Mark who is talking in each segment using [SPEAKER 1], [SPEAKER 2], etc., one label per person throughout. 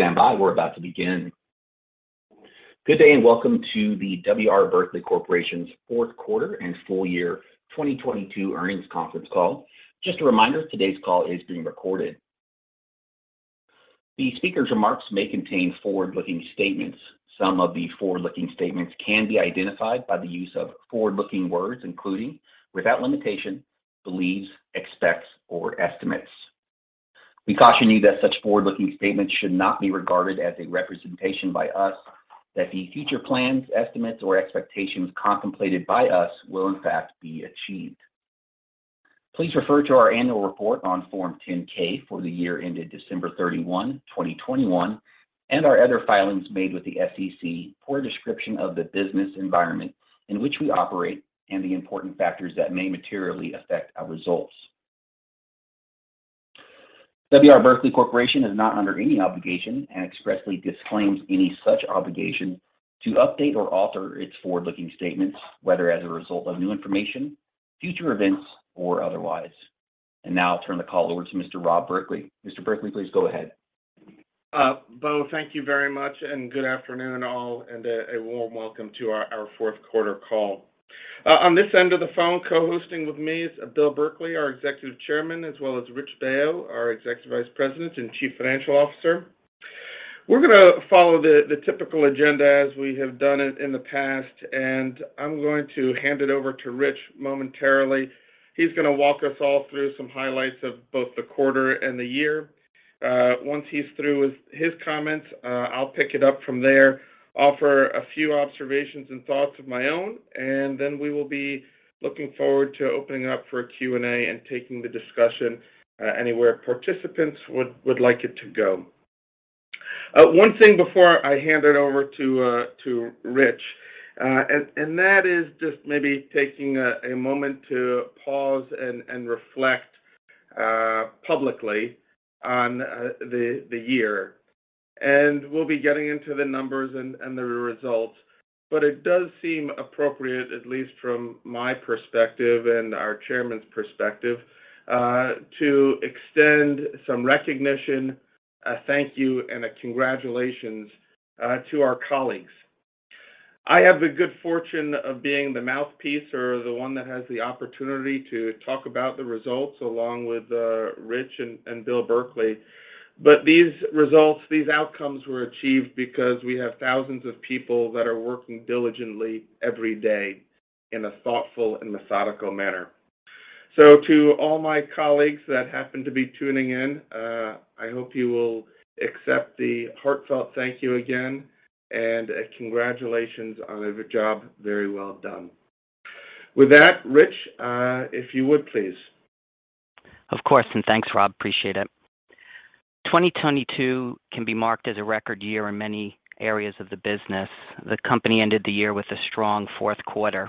[SPEAKER 1] Please stand by. We're about to begin. Good day and welcome to the W. R. Berkley Corporation's Q4 and full year 2022 earnings conference call. Just a reminder, today's call is being recorded. The speaker's remarks may contain forward-looking statements. Some of the forward-looking statements can be identified by the use of forward-looking words, including, without limitation, believes, expects, or estimates. We caution you that such forward-looking statements should not be regarded as a representation by us that the future plans, estimates, or expectations contemplated by us will in fact be achieved. Please refer to our annual report on Form 10-K for the year ended December 31, 2021, and our other filings made with the SEC for a description of the business environment in which we operate and the important factors that may materially affect our results. W. R. Berkley Corporation is not under any obligation, and expressly disclaims any such obligation, to update or alter its forward-looking statements, whether as a result of new information, future events, or otherwise. Now I'll turn the call over to Mr. Rob Berkley. Mr. Berkley, please go ahead.
[SPEAKER 2] Beau, thank you very much, and good afternoon all, and a warm welcome to our Q4 call. On this end of the phone, co-hosting with me is Bill Berkley, our Executive Chairman, as well as Rich Baio, our Executive Vice President and Chief Financial Officer. We're gonna follow the typical agenda as we have done it in the past, and I'm going to hand it over to Rich momentarily. He's gonna walk us all through some highlights of both the quarter and the year. Once he's through with his comments, I'll pick it up from there, offer a few observations and thoughts of my own, and then we will be looking forward to opening up for Q&A and taking the discussion anywhere participants would like it to go. One thing before I hand it over to Rich, and that is just maybe taking a moment to pause and reflect publicly on the year. We'll be getting into the numbers and the results, but it does seem appropriate, at least from my perspective and our Chairman's perspective, to extend some recognition, a thank you, and a congratulations to our colleagues. I have the good fortune of being the mouthpiece or the one that has the opportunity to talk about the results along with Rich and Bill Berkley, but these results, these outcomes were achieved because we have thousands of people that are working diligently every day in a thoughtful and methodical manner. To all my colleagues that happen to be tuning in, I hope you will accept the heartfelt thank you again and a congratulations on a job very well done. With that, Rich, if you would please.
[SPEAKER 3] Of course, thanks Rob, appreciate it. 2022 can be marked as a record year in many areas of the business. The company ended the year with a strong Q4.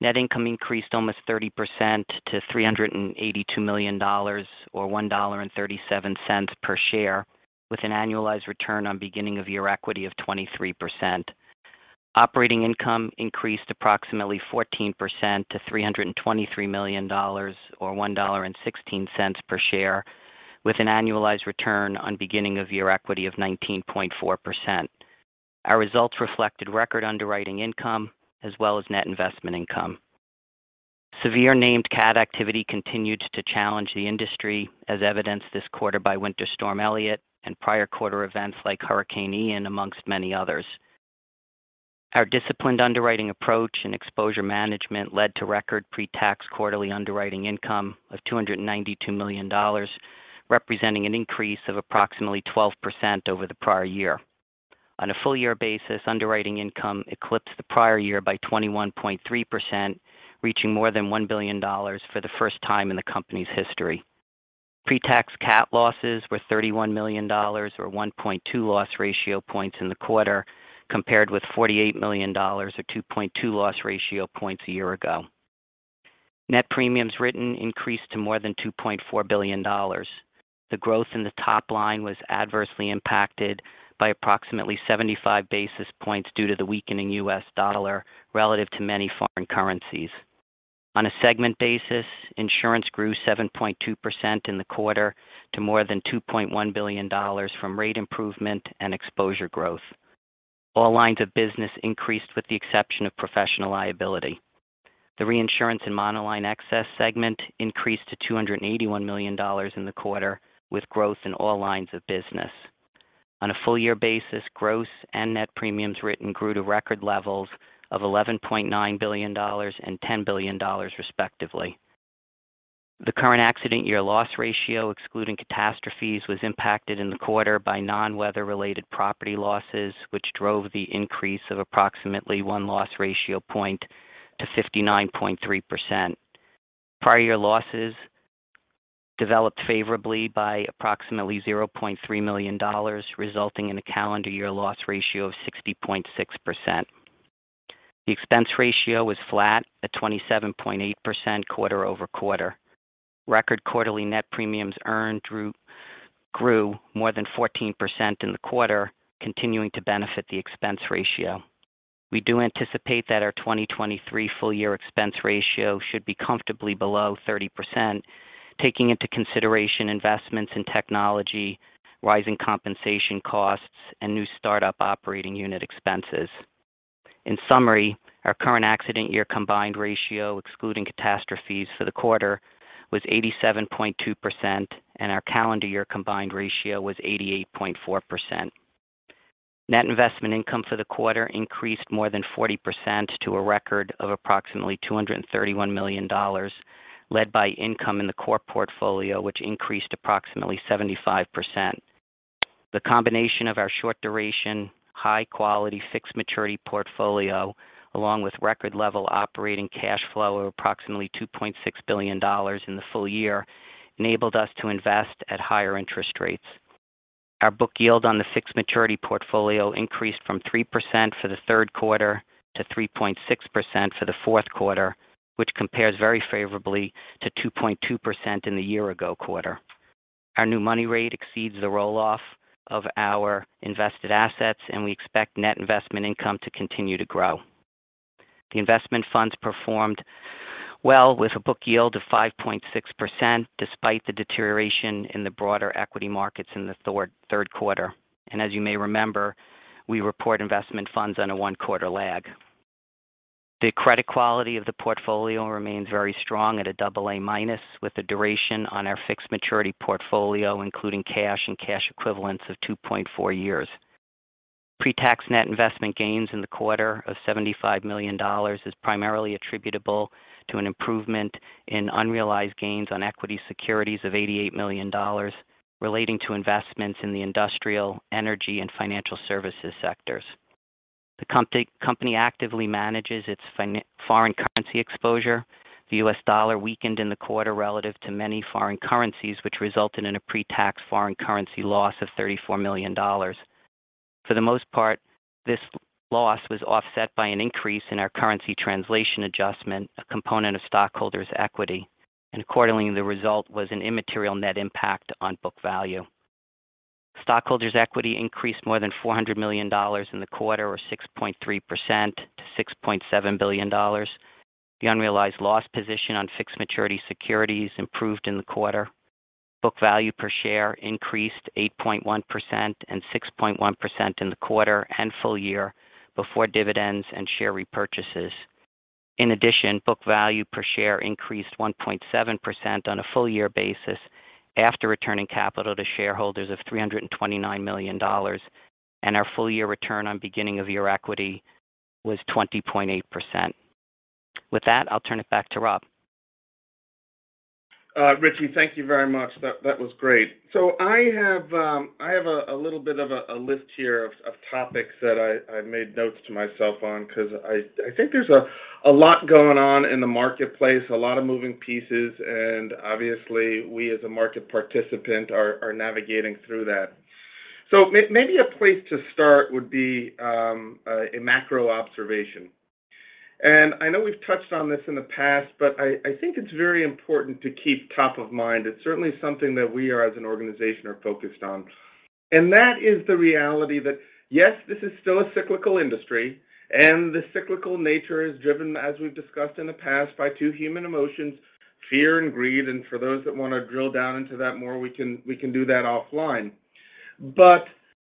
[SPEAKER 3] Net income increased almost 30% to $382 million, or $1.37 per share, with an annualized return on beginning of year equity of 23%. Operating income increased approximately 14% to $323 million, or $1.16 per share, with an annualized return on beginning of year equity of 19.4%. Our results reflected record underwriting income as well as net investment income. Severe named CAT activity continued to challenge the industry as evidenced this quarter by Winter Storm Elliott and prior quarter events like Hurricane Ian amongst many others. Our disciplined underwriting approach and exposure management led to record pre-tax quarterly underwriting income of $292 million, representing an increase of approximately 12% over the prior year. On a full year basis, underwriting income eclipsed the prior year by 21.3%, reaching more than $1 billion for the first time in the company's history. Pre-tax CAT losses were $31 million or 1.2 loss ratio points in the quarter, compared with $48 million or 2.2 loss ratio points a year ago. Net premiums written increased to more than $2.4 billion. The growth in the top line was adversely impacted by approximately 75 basis points due to the weakening U.S. dollar relative to many foreign currencies. On a segment basis, insurance grew 7.2% in the quarter to more than $2.1 billion from rate improvement and exposure growth. All lines of business increased with the exception of professional liability. The reinsurance and monoline excess segment increased to $281 million in the quarter, with growth in all lines of business. On a full year basis, gross and net premiums written grew to record levels of $11.9 billion and $10 billion respectively. The current accident year loss ratio, excluding catastrophes, was impacted in the quarter by non-weather related property losses, which drove the increase of approximately one loss ratio point to 59.3%. Prior year losses developed favorably by approximately $0.3 million, resulting in a calendar year loss ratio of 60.6%. The expense ratio was flat at 27.8% quarter-over-quarter. Record quarterly net premiums earned grew more than 14% in the quarter, continuing to benefit the expense ratio. We do anticipate that our 2023 full year expense ratio should be comfortably below 30%, taking into consideration investments in technology, rising compensation costs, and new startup operating unit expenses. In summary, our current accident year combined ratio, excluding catastrophes for the quarter, was 87.2%, and our calendar year combined ratio was 88.4%. Net investment income for the quarter increased more than 40% to a record of approximately $231 million, led by income in the core portfolio, which increased approximately 75%. The combination of our short duration, high quality fixed maturity portfolio, along with record level operating cash flow of approximately $2.6 billion in the full year, enabled us to invest at higher interest rates. Our book yield on the fixed maturity portfolio increased from 3% for the Q3 to 3.6% for the Q4, which compares very favorably to 2.2% in the year-ago quarter. Our new money rate exceeds the roll-off of our invested assets, and we expect net investment income to continue to grow. The investment funds performed well with a book yield of 5.6% despite the deterioration in the broader equity markets in the Q3. As you may remember, we report investment funds on a one-quarter lag. The credit quality of the portfolio remains very strong at a AA- with the duration on our fixed maturity portfolio, including cash and cash equivalents of 2.4 years. Pre-tax net investment gains in the quarter of $75 million is primarily attributable to an improvement in unrealized gains on equity securities of $88 million relating to investments in the industrial, energy, and financial services sectors. The company actively manages its foreign currency exposure. The U.S. dollar weakened in the quarter relative to many foreign currencies, which resulted in a pre-tax foreign currency loss of $34 million. For the most part, this loss was offset by an increase in our currency translation adjustment, a component of stockholders' equity, and accordingly, the result was an immaterial net impact on book value. Stockholders' equity increased more than $400 million in the quarter or 6.3% to $6.7 billion. The unrealized loss position on fixed maturity securities improved in the quarter. Book value per share increased 8.1% and 6.1% in the quarter and full year before dividends and share repurchases. In addition, book value per share increased 1.7% on a full year basis after returning capital to shareholders of $329 million, and our full year return on beginning of year equity was 20.8%. With that, I'll turn it back to Rob.
[SPEAKER 2] Richie, thank you very much. That was great. I have a little bit of a list here of topics that I made notes to myself on because I think there's a lot going on in the marketplace, a lot of moving pieces, and obviously we as a market participant are navigating through that. Maybe a place to start would be a macro observation. I know we've touched on this in the past, but I think it's very important to keep top of mind. It's certainly something that we are as an organization are focused on. That is the reality that, yes, this is still a cyclical industry, and the cyclical nature is driven, as we've discussed in the past, by two human emotions, fear and greed. For those that wanna drill down into that more, we can do that offline.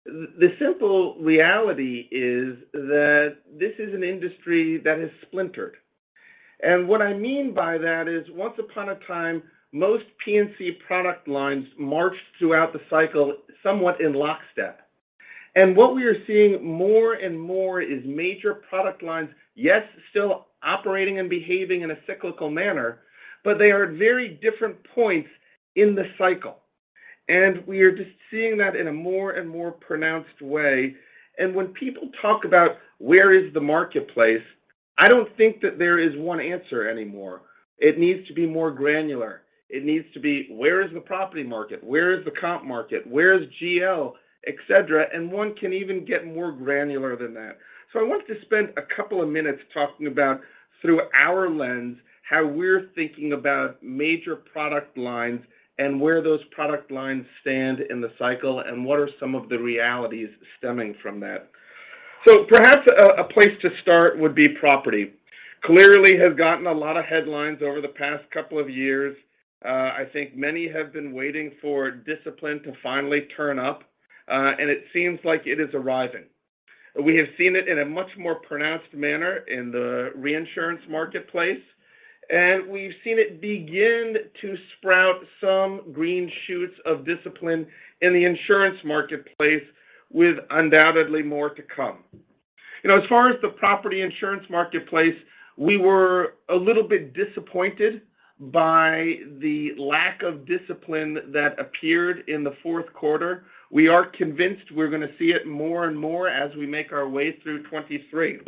[SPEAKER 2] The simple reality is that this is an industry that has splintered. What I mean by that is once upon a time, most P&C product lines marched throughout the cycle somewhat in lockstep. What we are seeing more and more is major product lines, yes, still operating and behaving in a cyclical manner, but they are at very different points in the cycle. We are just seeing that in a more and more pronounced way. When people talk about where is the marketplace, I don't think that there is one answer anymore. It needs to be more granular. It needs to be where is the property market? Where is the comp market? Where is GL, et cetera? One can even get more granular than that. I want to spend a couple of minutes talking about through our lens, how we're thinking about major product lines and where those product lines stand in the cycle, and what are some of the realities stemming from that. Perhaps a place to start would be property. Clearly has gotten a lot of headlines over the past couple of years. I think many have been waiting for discipline to finally turn up, and it seems like it is arriving. We have seen it in a much more pronounced manner in the reinsurance marketplace, and we've seen it begin to sprout some green shoots of discipline in the insurance marketplace with undoubtedly more to come. You know, as far as the property insurance marketplace, we were a little bit disappointed by the lack of discipline that appeared in the Q4. We are convinced we're gonna see it more and more as we make our way through 2023.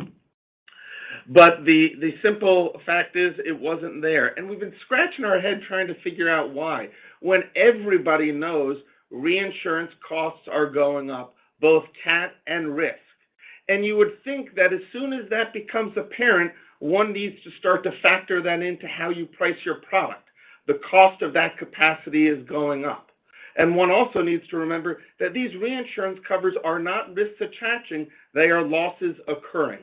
[SPEAKER 2] The, the simple fact is it wasn't there. We've been scratching our head trying to figure out why when everybody knows reinsurance costs are going up, both CAT and risk. You would think that as soon as that becomes apparent, one needs to start to factor that into how you price your product. The cost of that capacity is going up. One also needs to remember that these reinsurance covers are not risk attaching, they are losses occurring.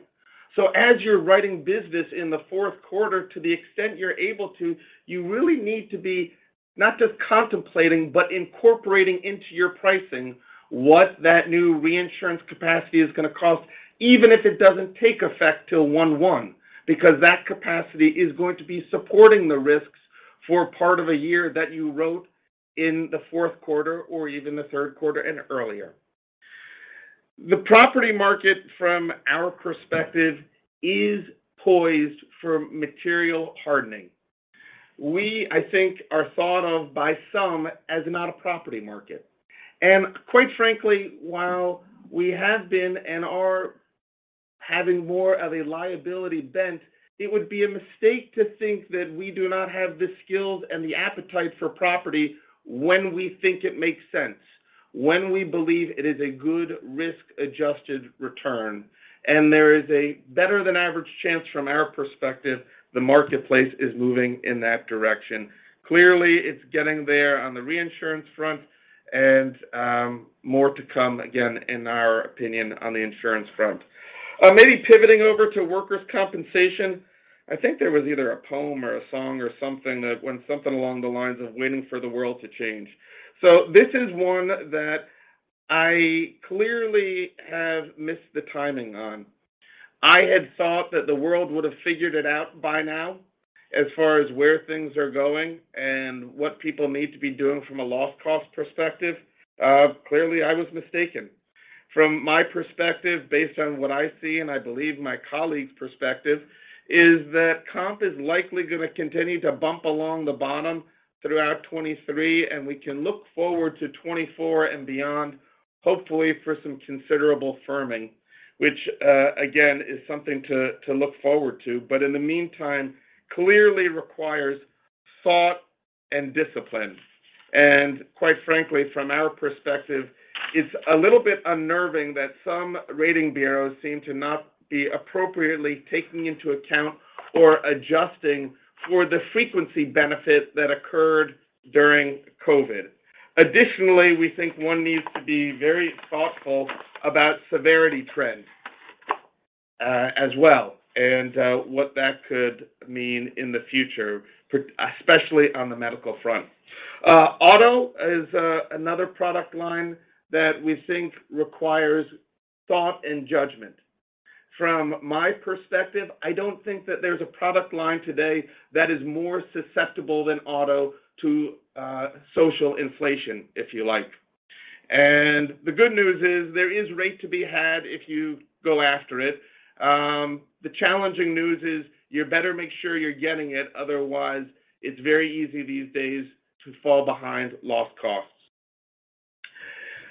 [SPEAKER 2] As you're writing business in the Q4 to the extent you're able to, you really need to be not just contemplating, but incorporating into your pricing what that new reinsurance capacity is going to cost, even if it doesn't take effect till one-one, because that capacity is going to be supporting the risks for part of a year that you wrote in the Q4 or even the Q3 and earlier. The property market from our perspective is poised for material hardening. We, I think, are thought of by some as not a property market. Quite frankly, while we have been and are having more of a liability bent, it would be a mistake to think that we do not have the skills and the appetite for property when we think it makes sense, when we believe it is a good risk-adjusted return. There is a better than average chance from our perspective the marketplace is moving in that direction. Clearly, it's getting there on the reinsurance front and more to come again, in our opinion, on the insurance front. Maybe pivoting over to workers' compensation. I think there was either a poem or a song or something that went something along the lines of waiting for the world to change. This is one that I clearly have missed the timing on. I had thought that the world would have figured it out by now as far as where things are going and what people need to be doing from a loss cost perspective. Clearly, I was mistaken. From my perspective, based on what I see, and I believe my colleagues' perspective, is that comp is likely going to continue to bump along the bottom throughout 2023, and we can look forward to 2024 and beyond, hopefully for some considerable firming, which, again, is something to look forward to, but in the meantime, clearly requires thought and discipline. Quite frankly, from our perspective, it's a little bit unnerving that some rating bureaus seem to not be appropriately taking into account or adjusting for the frequency benefit that occurred during COVID. Additionally, we think one needs to be very thoughtful about severity trends, as well, and what that could mean in the future, especially on the medical front. Auto is another product line that we think requires thought and judgment. From my perspective, I don't think that there's a product line today that is more susceptible than auto to social inflation, if you like. The good news is there is rate to be had if you go after it. The challenging news is you better make sure you're getting it. Otherwise, it's very easy these days to fall behind loss costs.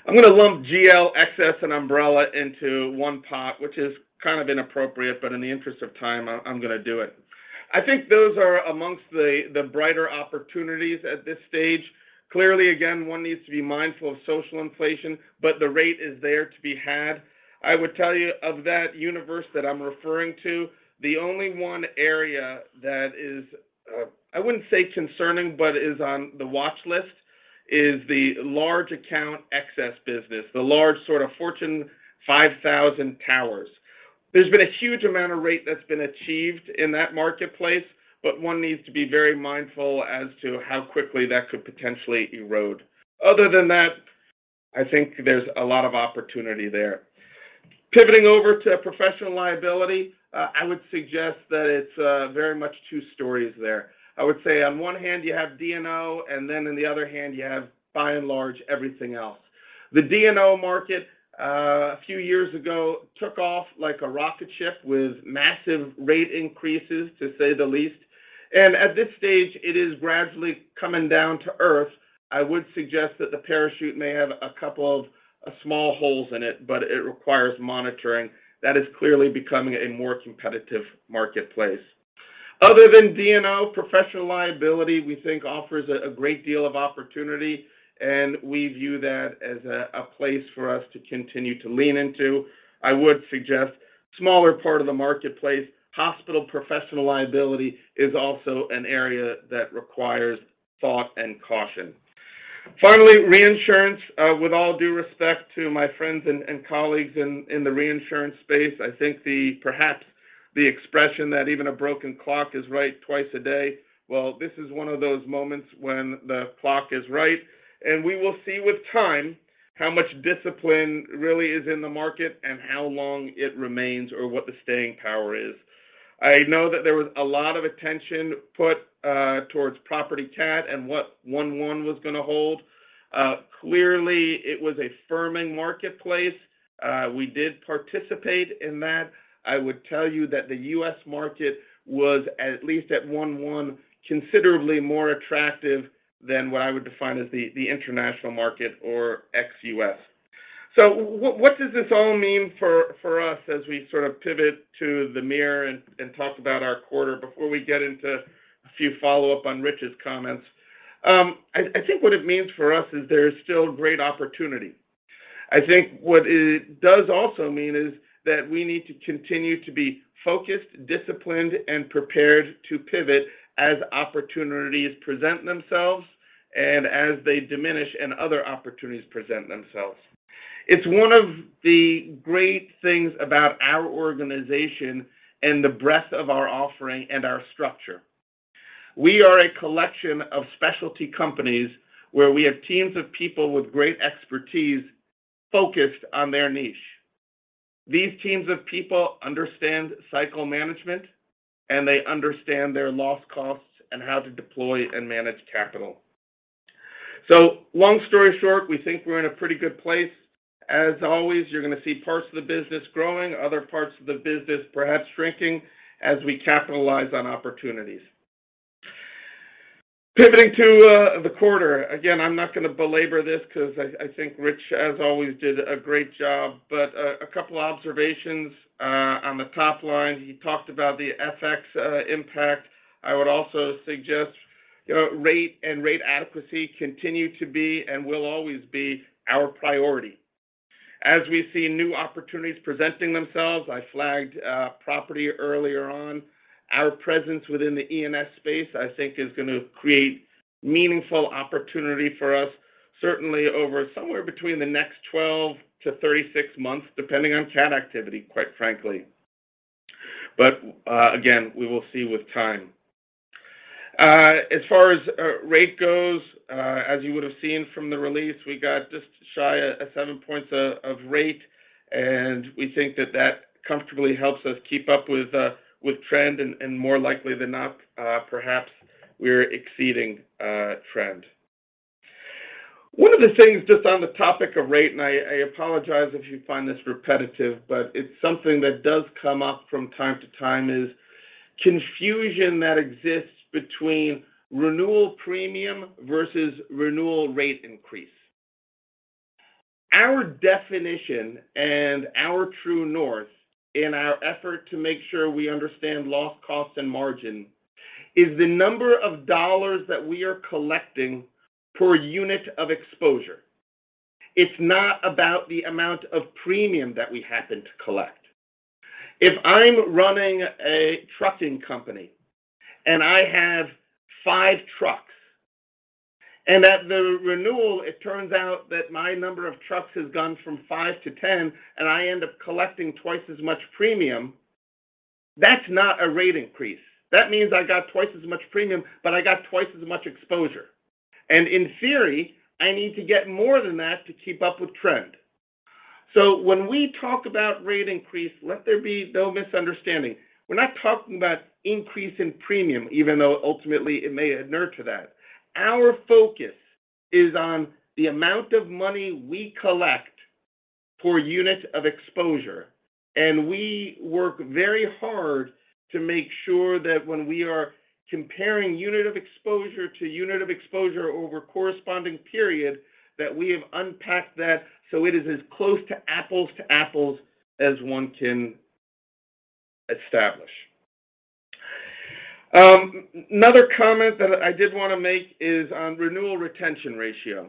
[SPEAKER 2] I'm going to lump GL, excess, and umbrella into one pot, which is kind of inappropriate, but in the interest of time, I'm going to do it. I think those are amongst the brighter opportunities at this stage. Clearly, again, one needs to be mindful of social inflation, but the rate is there to be had. I would tell you of that universe that I'm referring to, the only one area that is, I wouldn't say concerning, but is on the watch list is the large account excess business, the large sort of Fortune 500 powers. There's been a huge amount of rate that's been achieved in that marketplace, but one needs to be very mindful as to how quickly that could potentially erode. Other than that, I think there's a lot of opportunity there. Pivoting over to professional liability, I would suggest that it's very much two stories there. I would say on one hand you have D&O, and then in the other hand you have by and large everything else. The D&O market, a few years ago took off like a rocket ship with massive rate increases to say the least. At this stage it is gradually coming down to earth. I would suggest that the parachute may have a couple of small holes in it, but it requires monitoring. That is clearly becoming a more competitive marketplace. Other than D&O, professional liability we think offers a great deal of opportunity and we view that as a place for us to continue to lean into. I would suggest smaller part of the marketplace, hospital professional liability is also an area that requires thought and caution. Finally, reinsurance, with all due respect to my friends and colleagues in the reinsurance space, I think the perhaps the expression that even a broken clock is right twice a day. This is one of those moments when the clock is right and we will see with time how much discipline really is in the market and how long it remains or what the staying power is. I know that there was a lot of attention put towards property CAT and what one-one was going to hold. Clearly it was a firming marketplace. We did participate in that. I would tell you that the U.S. market was at least at one-one considerably more attractive than what I would define as the international market or ex-U.S. What does this all mean for us as we sort of pivot to the mirror and talk about our quarter before we get into a few follow-up on Rich's comments? I think what it means for us is there's still great opportunity. I think what it does also mean is that we need to continue to be focused, disciplined, and prepared to pivot as opportunities present themselves and as they diminish and other opportunities present themselves. It's one of the great things about our organization and the breadth of our offering and our structure. We are a collection of specialty companies where we have teams of people with great expertise focused on their niche. These teams of people understand cycle management and they understand their loss costs and how to deploy and manage capital. Long story short, we think we're in a pretty good place. As always, you're going to see parts of the business growing, other parts of the business perhaps shrinking as we capitalize on opportunities. Pivoting to the quarter, again, I'm not going to belabor this because I think Rich, as always, did a great job. A couple observations on the top line. He talked about the FX impact. I would also suggest rate and rate adequacy continue to be and will always be our priority. As we see new opportunities presenting themselves, I flagged property earlier on. Our presence within the E&S space, I think, is going to create meaningful opportunity for us, certainly over somewhere between the next 12-36 months, depending on CAT activity, quite frankly. Again, we will see with time. As far as rate goes, as you would have seen from the release, we got just shy of seven points of rate. We think that that comfortably helps us keep up with trend and more likely than not, perhaps we're exceeding trend. One of the things just on the topic of rate, and I apologize if you find this repetitive, but it's something that does come up from time to time is confusion that exists between renewal premium versus renewal rate increase. Our definition and our true north in our effort to make sure we understand loss costs and margin is the number of dollars that we are collecting per unit of exposure. It's not about the amount of premium that we happen to collect. If I'm running a trucking company and I have five trucks and at the renewal, it turns out that my number of trucks has gone from five to 10 and I end up collecting twice as much premium, that's not a rate increase. That means I got twice as much premium, but I got twice as much exposure. In theory, I need to get more than that to keep up with trend. When we talk about rate increase, let there be no misunderstanding. We're not talking about increase in premium, even though ultimately it may inure to that. Our focus is on the amount of money we collect per unit of exposure. We work very hard to make sure that when we are comparing unit of exposure to unit of exposure over corresponding period, that we have unpacked that so it is as close to apples-to-apples as one can establish. Another comment that I did want to make is on renewal retention ratio.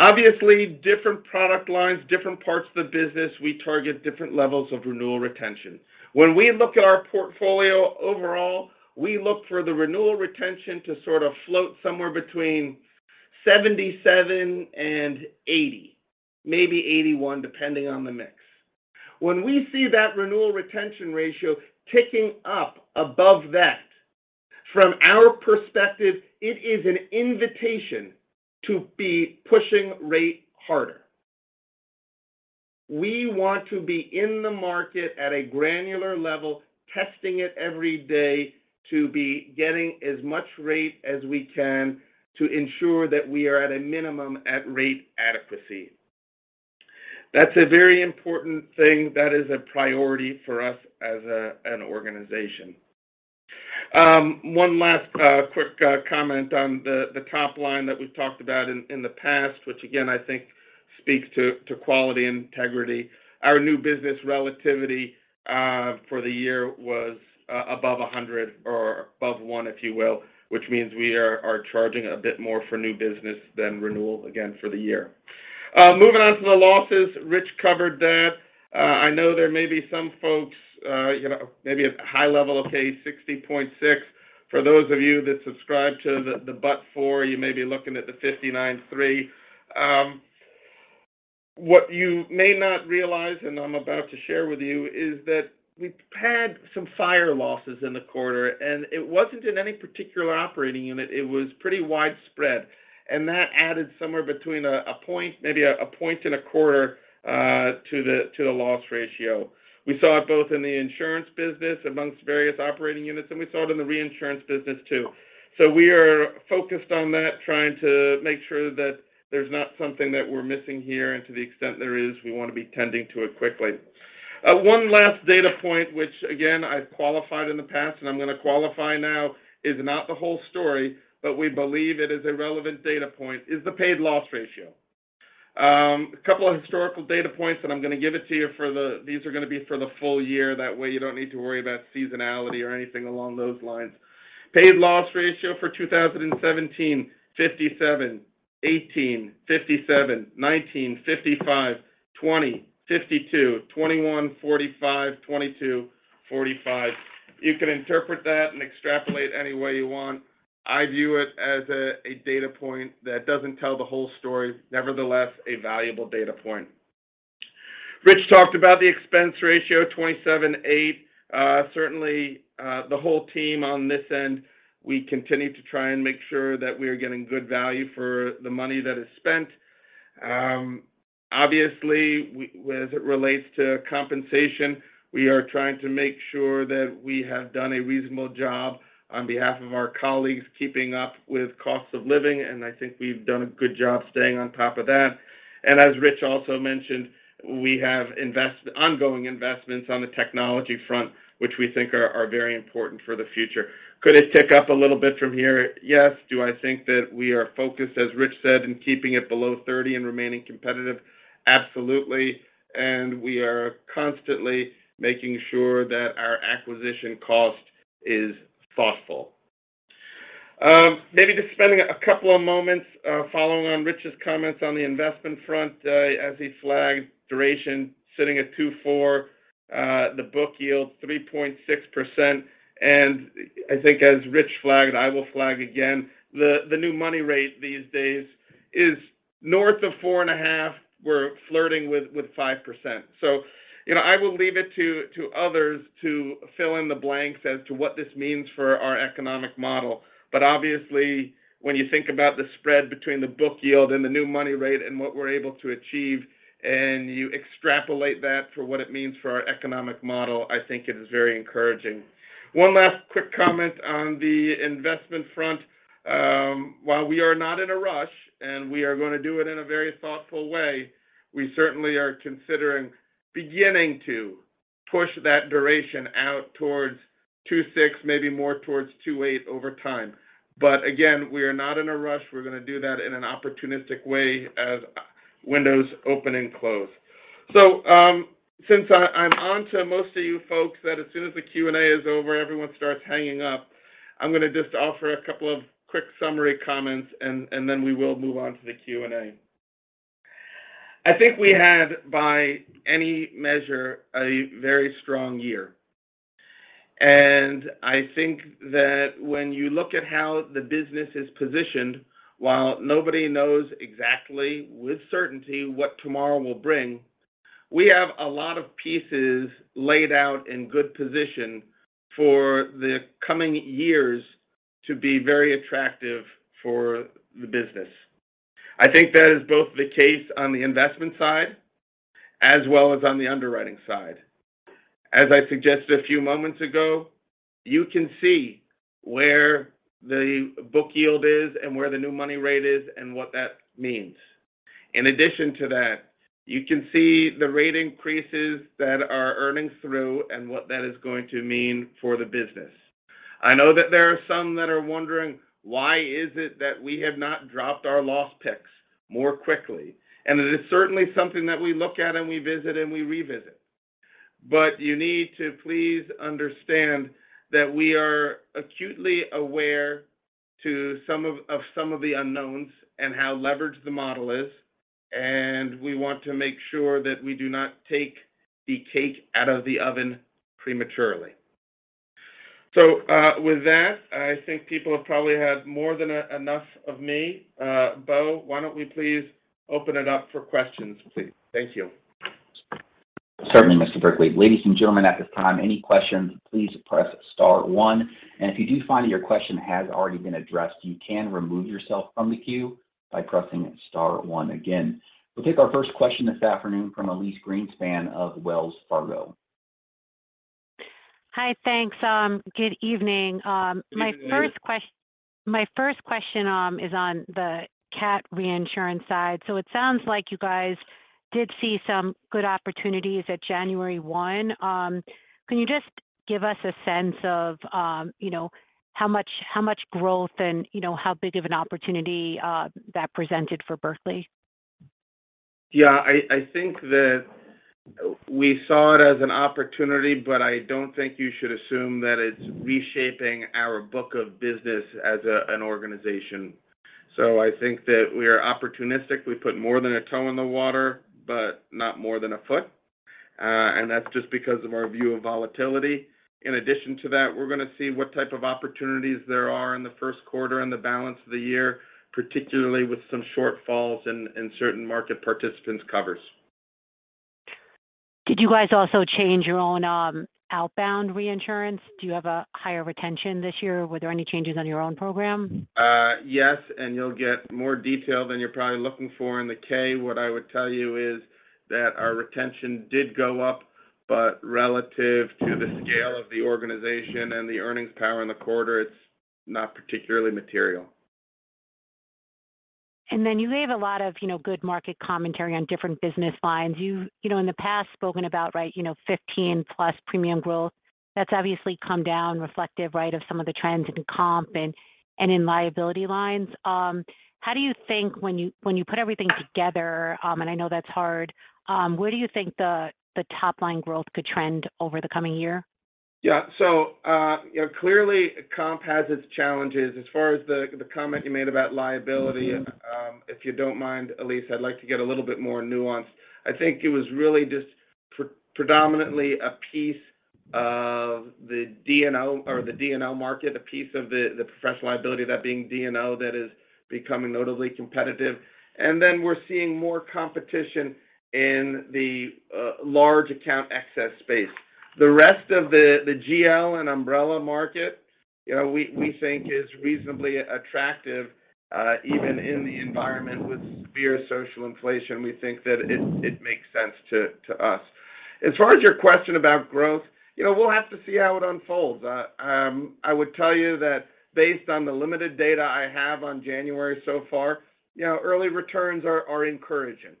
[SPEAKER 2] Obviously, different product lines, different parts of the business, we target different levels of renewal retention. When we look at our portfolio overall, we look for the renewal retention to sort of float somewhere between 77% and 80%, maybe 81%, depending on the mix. When we see that renewal retention ratio ticking up above that, from our perspective, it is an invitation to be pushing rate harder. We want to be in the market at a granular level, testing it every day to be getting as much rate as we can to ensure that we are at a minimum at rate adequacy. That's a very important thing. That is a priority for us as an organization. One last quick comment on the top line that we've talked about in the past, which again, I think speaks to quality and integrity. Our new business relativity for the year was above 100 or above one, if you will, which means we are charging a bit more for new business than renewal again for the year. Moving on to the losses, Rich covered that. I know there may be some folks, maybe a high level, okay, 60.6. For those of you that subscribe to the but for, you may be looking at the 59.3. What you may not realize, and I'm about to share with you, is that we've had some fire losses in the quarter and it wasn't in any particular operating unit. It was pretty widespread. That added somewhere between one point, maybe one point and a quarter to the loss ratio. We saw it both in the insurance business amongst various operating units, and we saw it in the reinsurance business too. We are focused on that, trying to make sure that there's not something that we're missing here. To the extent there is, we want to be tending to it quickly. One last data point, which again, I've qualified in the past and I'm going to qualify now is not the whole story, but we believe it is a relevant data point is the paid loss ratio. A couple of historical data points that I'm going to give it to you for the, these are going to be for the full year. That way you don't need to worry about seasonality or anything along those lines. Paid loss ratio for 2017, 57. 2018, 57. 2019, 55. 2020, 52. 2021, 45. 2022, 45. You can interpret that and extrapolate any way you want. I view it as a data point that doesn't tell the whole story. Nevertheless, a valuable data point. Rich talked about the expense ratio, 27.8%. Certainly, the whole team on this end, we continue to try and make sure that we are getting good value for the money that is spent. Obviously we, as it relates to compensation, we are trying to make sure that we have done a reasonable job on behalf of our colleagues keeping up with cost of living, and I think we've done a good job staying on top of that. As Rich also mentioned, we have ongoing investments on the technology front, which we think are very important for the future. Could it tick up a little bit from here? Yes. Do I think that we are focused, as Rich said, in keeping it below 30% and remaining competitive? Absolutely. We are constantly making sure that our acquisition cost is thoughtful. Maybe just spending a couple of moments, following on Rich's comments on the investment front, as he flagged duration sitting at 2.4, the book yield 3.6%. I think as Rich flagged, I will flag again, the new money rate these days is north of 4.5. We're flirting with 5%. You know, I will leave it to others to fill in the blanks as to what this means for our economic model. Obviously, when you think about the spread between the book yield and the new money rate and what we're able to achieve, and you extrapolate that for what it means for our economic model, I think it is very encouraging. One last quick comment on the investment front. While we are not in a rush, and we are gonna do it in a very thoughtful way, we certainly are considering beginning to push that duration out towards 2.6, maybe more towards 2.8 over time. Again, we are not in a rush. We're gonna do that in an opportunistic way as windows open and close. Since I'm onto most of you folks that as soon as the Q&A is over, everyone starts hanging up, I'm gonna just offer a couple of quick summary comments and then we will move on to the Q&A. I think we had, by any measure, a very strong year. I think that when you look at how the business is positioned, while nobody knows exactly with certainty what tomorrow will bring, we have a lot of pieces laid out in good position for the coming years to be very attractive for the business. I think that is both the case on the investment side as well as on the underwriting side. As I suggested a few moments ago, you can see where the book yield is and where the new money rate is and what that means. In addition to that, you can see the rate increases that are earnings through and what that is going to mean for the business. I know that there are some that are wondering why is it that we have not dropped our loss picks more quickly. It is certainly something that we look at and we visit and we revisit. You need to please understand that we are acutely aware to some of the unknowns and how leveraged the model is. We want to make sure that we do not take the cake out of the oven prematurely. With that, I think people have probably had more than enough of me. Beau, why don't we please open it up for questions, please. Thank you.
[SPEAKER 1] Certainly, Mr. Berkley. Ladies and gentlemen, at this time, any questions, please press star one. If you do find that your question has already been addressed, you can remove yourself from the queue by pressing star one again. We'll take our first question this afternoon from Elyse Greenspan of Wells Fargo.
[SPEAKER 4] Hi. Thanks. good evening. my first.
[SPEAKER 2] Good evening.
[SPEAKER 4] My first question is on the CAT reinsurance side. It sounds like you guys did see some good opportunities at January one. Can you just give us a sense of, you know, how much growth and, you know, how big of an opportunity that presented for Berkley?
[SPEAKER 2] Yeah. I think that we saw it as an opportunity, but I don't think you should assume that it's reshaping our book of business as an organization. I think that we are opportunistic. We put more than a toe in the water, but not more than a foot. That's just because of our view of volatility. In addition to that, we're gonna see what type of opportunities there are in the Q1 and the balance of the year, particularly with some shortfalls in certain market participants' covers.
[SPEAKER 4] Did you guys also change your own, outbound reinsurance? Do you have a higher retention this year? Were there any changes on your own program?
[SPEAKER 2] Yes, you'll get more detail than you're probably looking for in the K. What I would tell you is that our retention did go up, but relative to the scale of the organization and the earnings power in the quarter, it's not particularly material.
[SPEAKER 4] You gave a lot of, you know, good market commentary on different business lines. You've, you know, in the past spoken about, right, you know, 15+ premium growth. That's obviously come down reflective, right, of some of the trends in comp and in liability lines. How do you think when you put everything together, and I know that's hard, where do you think the top line growth could trend over the coming year?
[SPEAKER 2] Yeah. clearly comp has its challenges. As far as the comment you made about liability and, If you don't mind, Elise, I'd like to get a little bit more nuanced. I think it was really just predominantly a piece of the D&O or the D&O market, a piece of the professional liability, that being D&O, that is becoming notably competitive. we're seeing more competition in the large account excess space. The rest of the GL and umbrella market, you know, we think is reasonably attractive, even in the environment with severe social inflation. We think that it makes sense to us. As far as your question about growth, you know, we'll have to see how it unfolds. I would tell you that based on the limited data I have on January so far, you know, early returns are encouraging.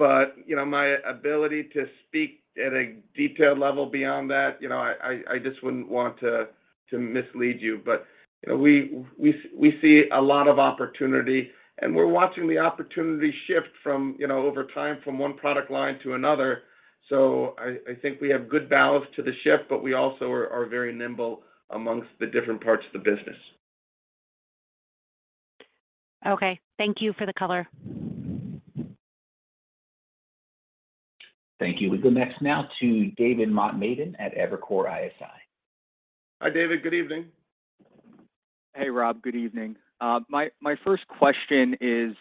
[SPEAKER 2] My ability to speak at a detailed level beyond that, you know, I just wouldn't want to mislead you. We see a lot of opportunity, and we're watching the opportunity shift from, you know, over time from one product line to another. I think we have good ballast to the shift, but we also are very nimble amongst the different parts of the business.
[SPEAKER 4] Okay. Thank you for the color.
[SPEAKER 1] Thank you. We go next now to David Motemaden at Evercore ISI.
[SPEAKER 2] Hi, David. Good evening.
[SPEAKER 5] Hey, Rob. Good evening. my first question is,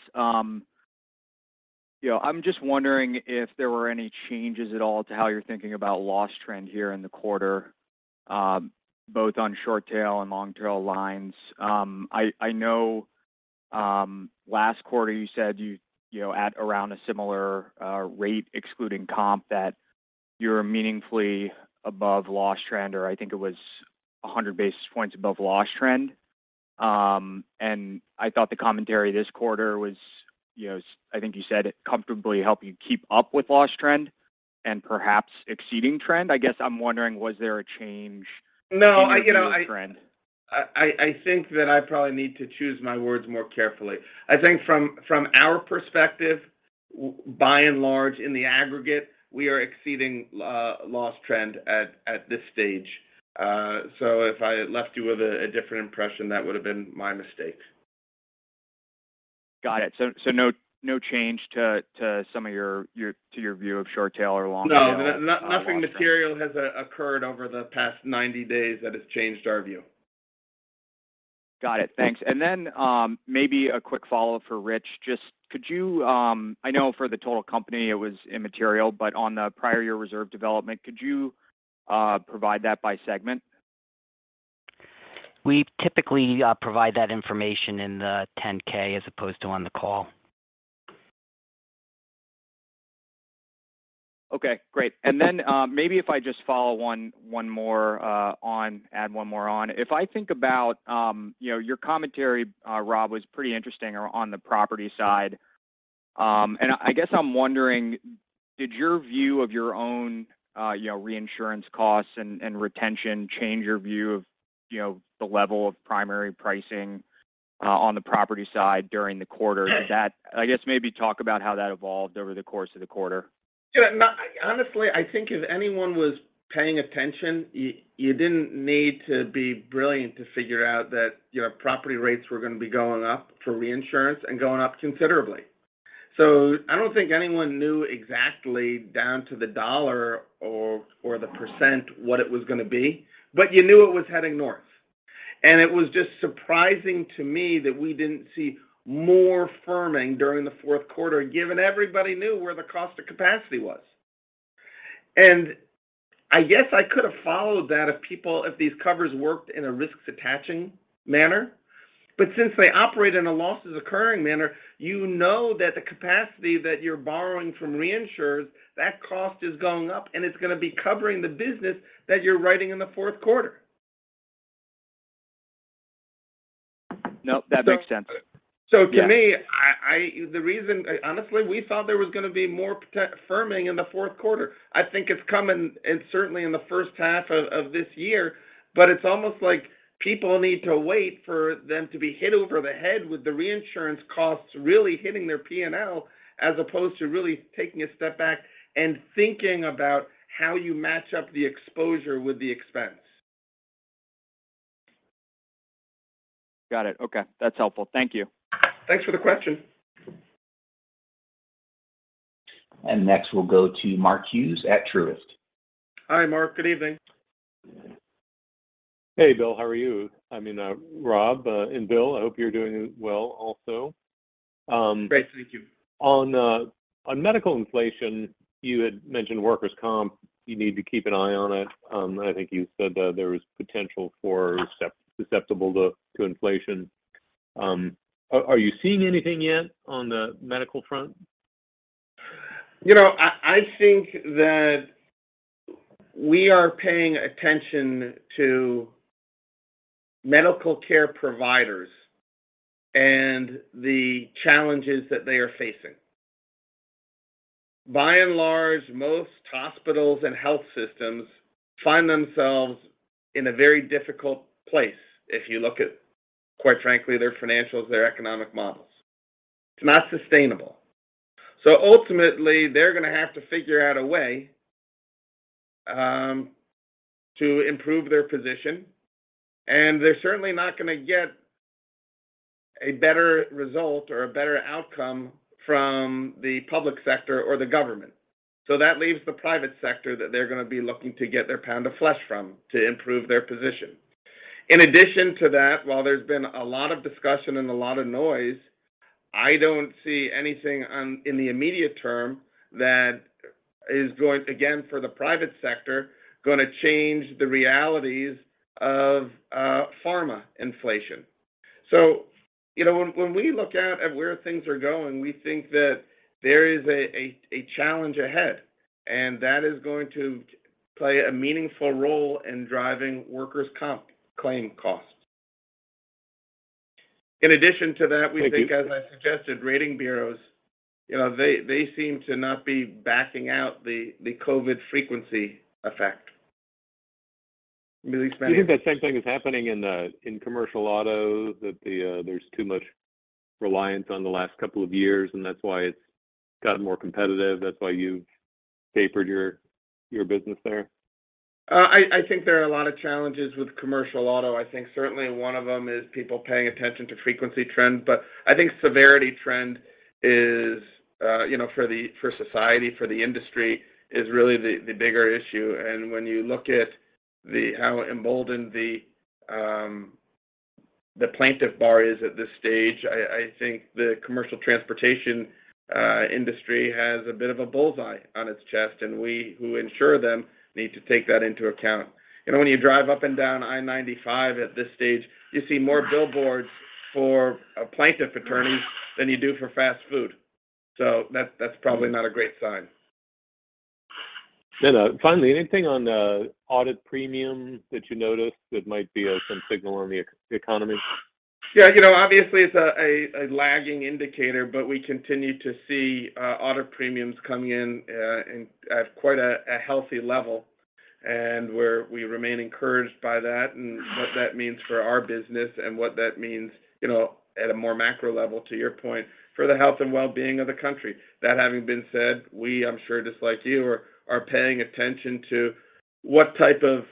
[SPEAKER 5] you know, I'm just wondering if there were any changes at all to how you're thinking about loss trend here in the quarter, both on short tail and long tail lines. I know, last quarter you said you know, at around a similar rate excluding comp that you're meaningfully above loss trend or I think it was 100 basis points above loss trend. I thought the commentary this quarter was, you know, I think you said comfortably helping you keep up with loss trend and perhaps exceeding trend. I guess I'm wondering was there a change?
[SPEAKER 2] No. You know.
[SPEAKER 5] To your view of trend?
[SPEAKER 2] I think that I probably need to choose my words more carefully. I think from our perspective, by and large in the aggregate, we are exceeding loss trend at this stage. If I left you with a different impression, that would've been my mistake.
[SPEAKER 5] Got it. No change to your view of short tail or long tail loss trend?
[SPEAKER 2] No. nothing material has occurred over the past 90 days that has changed our view.
[SPEAKER 5] Got it. Thanks. Maybe a quick follow-up for Rich. Just could you... I know for the total company it was immaterial, but on the prior year reserve development, could you provide that by segment?
[SPEAKER 3] We typically provide that information in the 10-K as opposed to on the call.
[SPEAKER 5] Okay. Great. Maybe if I just follow one more, add one more on. If I think about, you know, your commentary, Rob, was pretty interesting or on the property side. I guess I'm wondering, did your view of your own, you know, reinsurance costs and retention change your view of, you know, the level of primary pricing, on the property side during the quarter?
[SPEAKER 2] Yeah.
[SPEAKER 5] I guess maybe talk about how that evolved over the course of the quarter.
[SPEAKER 2] Yeah. No, honestly, I think if anyone was paying attention, you didn't need to be brilliant to figure out that, you know, property rates were gonna be going up for reinsurance and going up considerably. I don't think anyone knew exactly down to the dollar or the % what it was gonna be, but you knew it was heading north. It was just surprising to me that we didn't see more firming during the Q4, given everybody knew where the cost of capacity was. I guess I could have followed that if these covers worked in a risks attaching manner. Since they operate in a losses occurring manner, you know that the capacity that you're borrowing from reinsurers, that cost is going up, and it's gonna be covering the business that you're writing in the Q4.
[SPEAKER 5] No, that makes sense. Yeah.
[SPEAKER 2] To me, honestly, we thought there was gonna be more pro- firming in the Q4. I think it's coming and certainly in the first half of this year, but it's almost like people need to wait for them to be hit over the head with the reinsurance costs really hitting their P&L as opposed to really taking a step back and thinking about how you match up the exposure with the expense.
[SPEAKER 5] Got it. Okay. That's helpful. Thank you.
[SPEAKER 2] Thanks for the question.
[SPEAKER 1] Next, we'll go to Mark Hughes at Truist.
[SPEAKER 2] Hi, Mark. Good evening.
[SPEAKER 6] Hey, Bill. How are you? I mean, Rob, and Bill, I hope you're doing well also.
[SPEAKER 2] Great. Thank you.
[SPEAKER 6] On on medical inflation, you had mentioned workers' comp, you need to keep an eye on it. I think you said that there was potential for susceptible to inflation. Are you seeing anything yet on the medical front?
[SPEAKER 2] You know, I think that we are paying attention to medical care providers and the challenges that they are facing. By and large, most hospitals and health systems find themselves in a very difficult place if you look at, quite frankly, their financials, their economic models. It's not sustainable. Ultimately, they're gonna have to figure out a way to improve their position, and they're certainly not gonna get a better result or a better outcome from the public sector or the government. That leaves the private sector that they're gonna be looking to get their pound of flesh from to improve their position. In addition to that, while there's been a lot of discussion and a lot of noise, I don't see anything in the immediate term that is going, again, for the private sector, gonna change the realities of pharma inflation. You know, when we look out at where things are going, we think that there is a challenge ahead, and that is going to play a meaningful role in driving workers' comp claim costs. In addition to that.
[SPEAKER 6] Thank you.
[SPEAKER 2] We think, as I suggested, rating bureaus, you know, they seem to not be backing out the COVID frequency effect.
[SPEAKER 6] Do you think that same thing is happening in commercial auto, that there's too much reliance on the last couple of years, and that's why it's gotten more competitive? That's why you've tapered your business there?
[SPEAKER 2] I think there are a lot of challenges with commercial auto. I think certainly one of them is people paying attention to frequency trends. I think severity trend is, you know, for society, for the industry, is really the bigger issue. When you look at the how emboldened the plaintiff bar is at this stage, I think the commercial transportation industry has a bit of a bullseye on its chest, and we who insure them need to take that into account. You know, when you drive up and down I-95 at this stage, you see more billboards for a plaintiff attorney than you do for fast food. That's, that's probably not a great sign.
[SPEAKER 6] Finally, anything on audit premiums that you noticed that might be some signal on the economy?
[SPEAKER 2] Yeah. You know, obviously, it's a lagging indicator, but we continue to see audit premiums coming in at quite a healthy level. We remain encouraged by that and what that means for our business and what that means, you know, at a more macro level, to your point, for the health and wellbeing of the country. That having been said, we, I'm sure just like you, are paying attention to what type of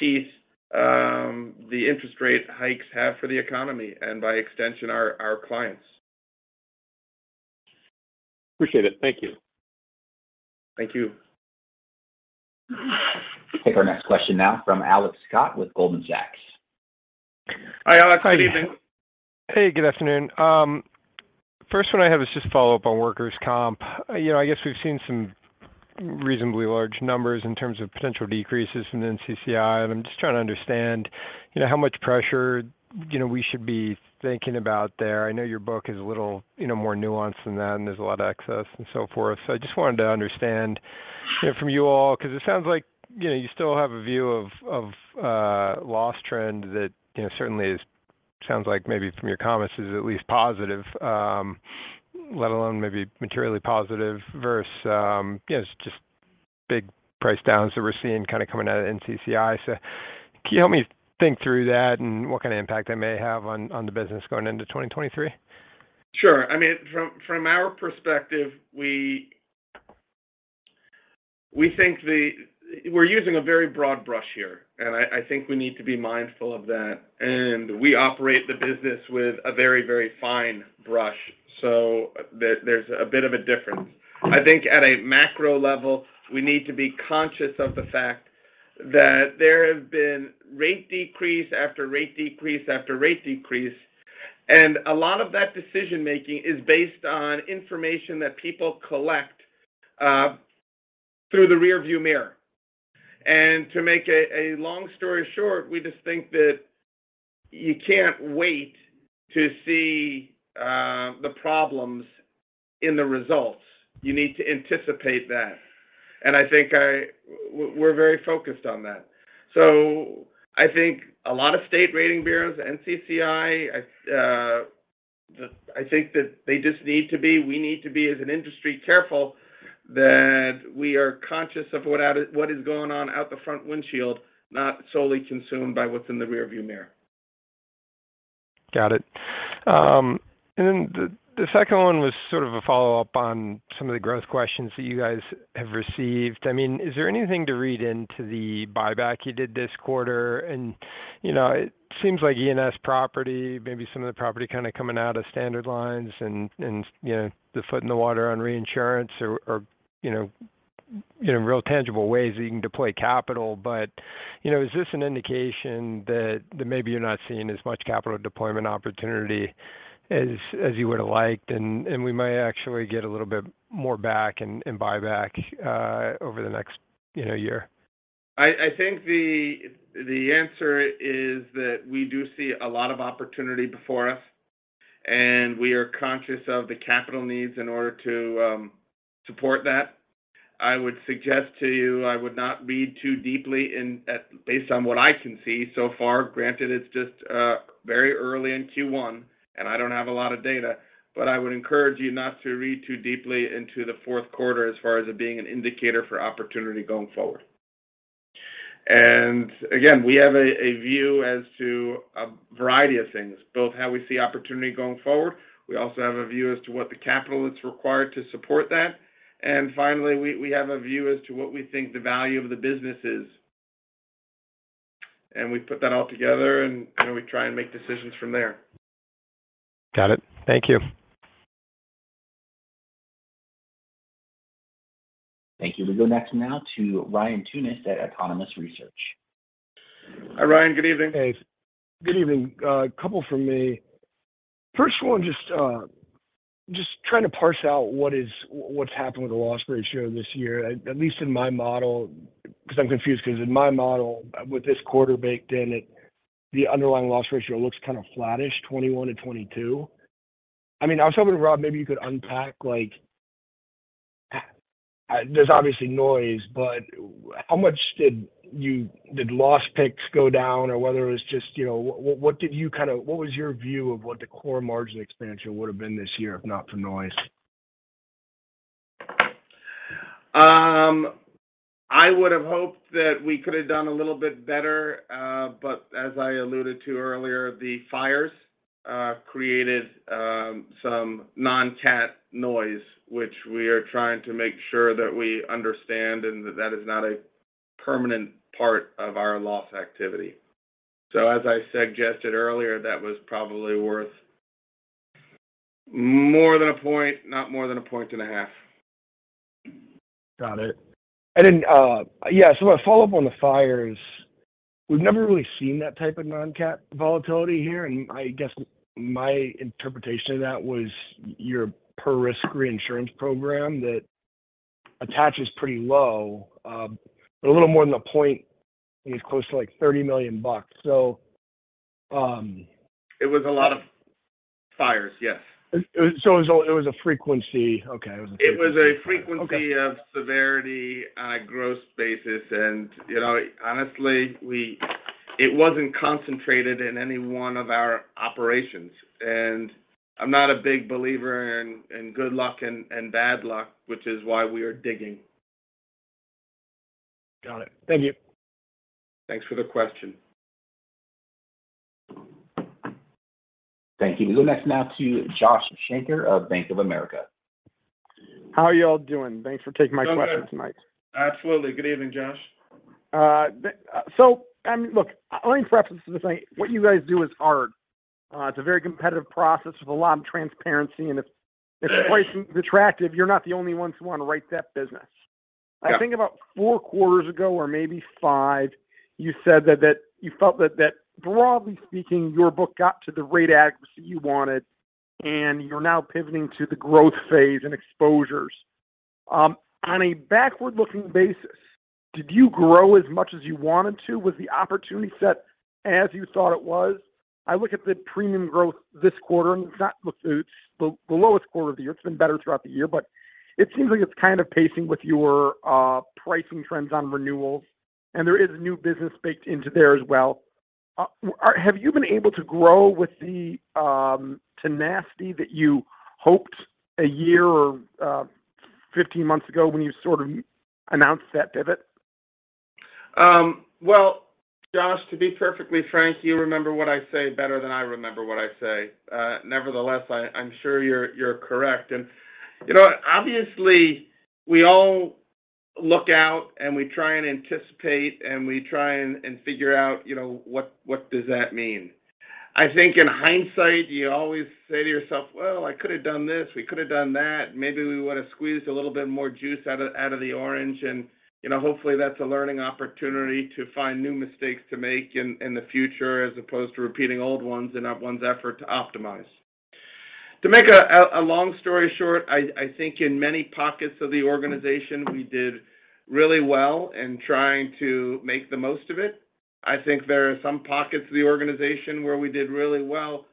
[SPEAKER 2] teeth the interest rate hikes have for the economy and, by extension, our clients.
[SPEAKER 6] Appreciate it. Thank you.
[SPEAKER 2] Thank you.
[SPEAKER 1] Take our next question now from Alex Scott with Goldman Sachs.
[SPEAKER 2] Hi, Alex. Good evening.
[SPEAKER 6] Hi.
[SPEAKER 7] Hey, good afternoon. First one I have is just a follow-up on workers' comp. You know, I guess we've seen some reasonably large numbers in terms of potential decreases from NCCI, and I'm just trying to understand, you know, how much pressure, you know, we should be thinking about there. I know your book is a little, you know, more nuanced than that, and there's a lot of excess and so forth. I just wanted to understand, you know, from you all, 'cause it sounds like, you know, you still have a view of loss trend that, you know, certainly sounds like maybe from your comments is at least positive, let alone maybe materially positive versus, you know, just big price downs that we're seeing kind of coming out of NCCI. Can you help me think through that and what kind of impact that may have on the business going into 2023?
[SPEAKER 2] Sure. I mean, from our perspective, we think the... We're using a very broad brush here, I think we need to be mindful of that. We operate the business with a very fine brush, so there's a bit of a difference. I think at a macro level, we need to be conscious of the fact that there have been rate decrease after rate decrease after rate decrease, a lot of that decision-making is based on information that people collect through the rearview mirror. To make it a long story short, we just think that you can't wait to see the problems in the results. You need to anticipate that. We're very focused on that. I think a lot of state rating bureaus, NCCI, I think that they just need to be, we need to be, as an industry, careful that we are conscious of what is going on out the front windshield, not solely consumed by what's in the rearview mirror.
[SPEAKER 7] Got it. Then the second one was sort of a follow-up on some of the growth questions that you guys have received. I mean, is there anything to read into the buyback you did this quarter? You know, it seems like E&S property, maybe some of the property kind of coming out of standard lines and, you know, the foot in the water on reinsurance or, you know, real tangible ways that you can deploy capital. You know, is this an indication that maybe you're not seeing as much capital deployment opportunity as you would've liked, and we might actually get a little bit more back and buyback over the next, you know, year?
[SPEAKER 2] I think the answer is that we do see a lot of opportunity before us, and we are conscious of the capital needs in order to support that. I would suggest to you I would not read too deeply based on what I can see so far. Granted, it's just very early in Q1, and I don't have a lot of data. I would encourage you not to read too deeply into the Q4 as far as it being an indicator for opportunity going forward. Again, we have a view as to a variety of things, both how we see opportunity going forward. We also have a view as to what the capital is required to support that. Finally, we have a view as to what we think the value of the business is. We put that all together, and then we try and make decisions from there.
[SPEAKER 8] Got it. Thank you.
[SPEAKER 1] Thank you. We go next now to Ryan Tunis at Autonomous Research.
[SPEAKER 2] Hi, Ryan. Good evening.
[SPEAKER 9] Hey. Good evening. Couple from me. First one, just trying to parse out what's happened with the loss ratio this year. At least in my model, 'cause I'm confused, 'cause in my model with this quarter baked in, the underlying loss ratio looks kind of flattish, 21 to 22. I mean, I was hoping, Rob, maybe you could unpack like. There's obviously noise, but how much did loss picks go down? Whether it was just, you know, what did you kind of what was your view of what the core margin expansion would have been this year, if not for noise?
[SPEAKER 2] I would have hoped that we could have done a little bit better. As I alluded to earlier, the fires created some non-CAT noise, which we are trying to make sure that we understand and that that is not a permanent part of our loss activity. As I suggested earlier, that was probably worth more than 1%, not more than 1.5%.
[SPEAKER 9] Got it. Yeah, a follow-up on the fires. We've never really seen that type of non-CAT volatility here, and I guess my interpretation of that was your per risk reinsurance program that attaches pretty low, but a little more than a point is close to, like, $30 million.
[SPEAKER 2] It was a lot of fires, yes.
[SPEAKER 9] It was a frequency. Okay, it was a frequency.
[SPEAKER 2] It was a frequency-
[SPEAKER 9] Okay
[SPEAKER 2] Of severity on a gross basis. You know, honestly, it wasn't concentrated in any one of our operations. I'm not a big believer in good luck and bad luck, which is why we are digging.
[SPEAKER 9] Got it. Thank you.
[SPEAKER 2] Thanks for the question.
[SPEAKER 1] Thank you. We go next now to Joshua Shanker of Bank of America.
[SPEAKER 8] How are you all doing? Thanks for taking my question tonight.
[SPEAKER 2] Absolutely. Good evening, Josh.
[SPEAKER 8] I mean, look, let me preface this by saying, what you guys do is hard. It's a very competitive process with a lot of transparency, and if it's pricing detractive, you're not the only ones who want to write that business.
[SPEAKER 2] Yeah.
[SPEAKER 8] I think about four quarters ago or maybe five, you said that you felt that broadly speaking, your book got to the rate accuracy you wanted, and you're now pivoting to the growth phase and exposures. On a backward-looking basis, did you grow as much as you wanted to? Was the opportunity set as you thought it was? I look at the premium growth this quarter, and it's the lowest quarter of the year. It's been better throughout the year, but it seems like it's kind of pacing with your pricing trends on renewals, and there is new business baked into there as well. Have you been able to grow with the tenacity that you hoped a year or 15 months ago when you sort of announced that pivot?
[SPEAKER 2] Well, Josh, to be perfectly frank, you remember what I say better than I remember what I say. Nevertheless, I'm sure you're correct. You know, obviously we all look out and we try and anticipate and we try and figure out, you know, what does that mean? I think in hindsight, you always say to yourself, "Well, I could have done this. We could have done that. Maybe we would have squeezed a little bit more juice out of the orange." You know, hopefully that's a learning opportunity to find new mistakes to make in the future as opposed to repeating old ones in one's effort to optimize. To make a long story short, I think in many pockets of the organization, we did really well in trying to make the most of it. I think there are some pockets of the organization where we did really well,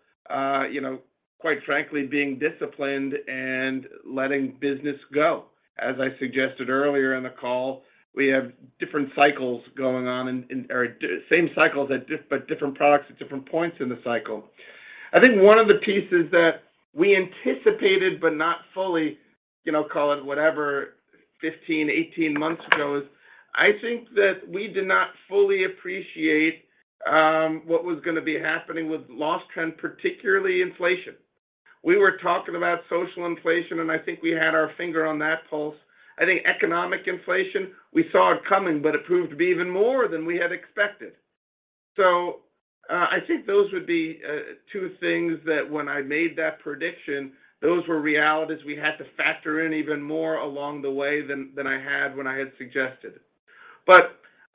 [SPEAKER 2] you know, quite frankly, being disciplined and letting business go. As I suggested earlier in the call, we have different cycles going on or same cycles at but different products at different points in the cycle. I think one of the pieces that we anticipated but not fully, you know, call it whatever, 15, 18 months ago, is I think that we did not fully appreciate what was going to be happening with loss trend, particularly inflation. We were talking about social inflation, and I think we had our finger on that pulse. I think economic inflation, we saw it coming, but it proved to be even more than we had expected. I think those would be two things that when I made that prediction, those were realities we had to factor in even more along the way than I had when I had suggested.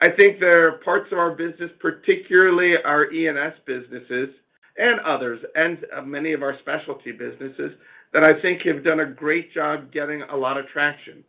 [SPEAKER 2] I think there are parts of our business, particularly our E&S businesses and others and many of our specialty businesses, that I think have done a great job getting a lot of traction.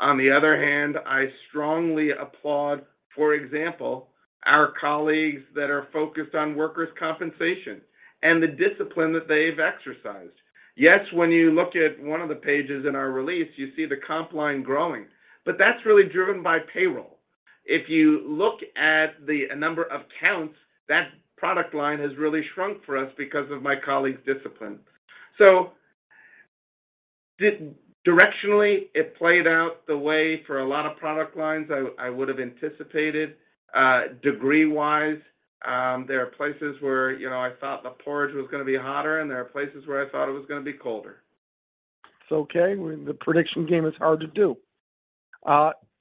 [SPEAKER 2] On the other hand, I strongly applaud, for example, our colleagues that are focused on workers' compensation and the discipline that they've exercised. Yes, when you look at one of the pages in our release, you see the comp line growing, but that's really driven by payroll. If you look at the number of counts, that product line has really shrunk for us because of my colleagues' discipline. Directionally, it played out the way for a lot of product lines I would've anticipated. Degree-wise, there are places where, you know, I thought the porridge was gonna be hotter, and there are places where I thought it was gonna be colder.
[SPEAKER 8] It's okay. The prediction game is hard to do.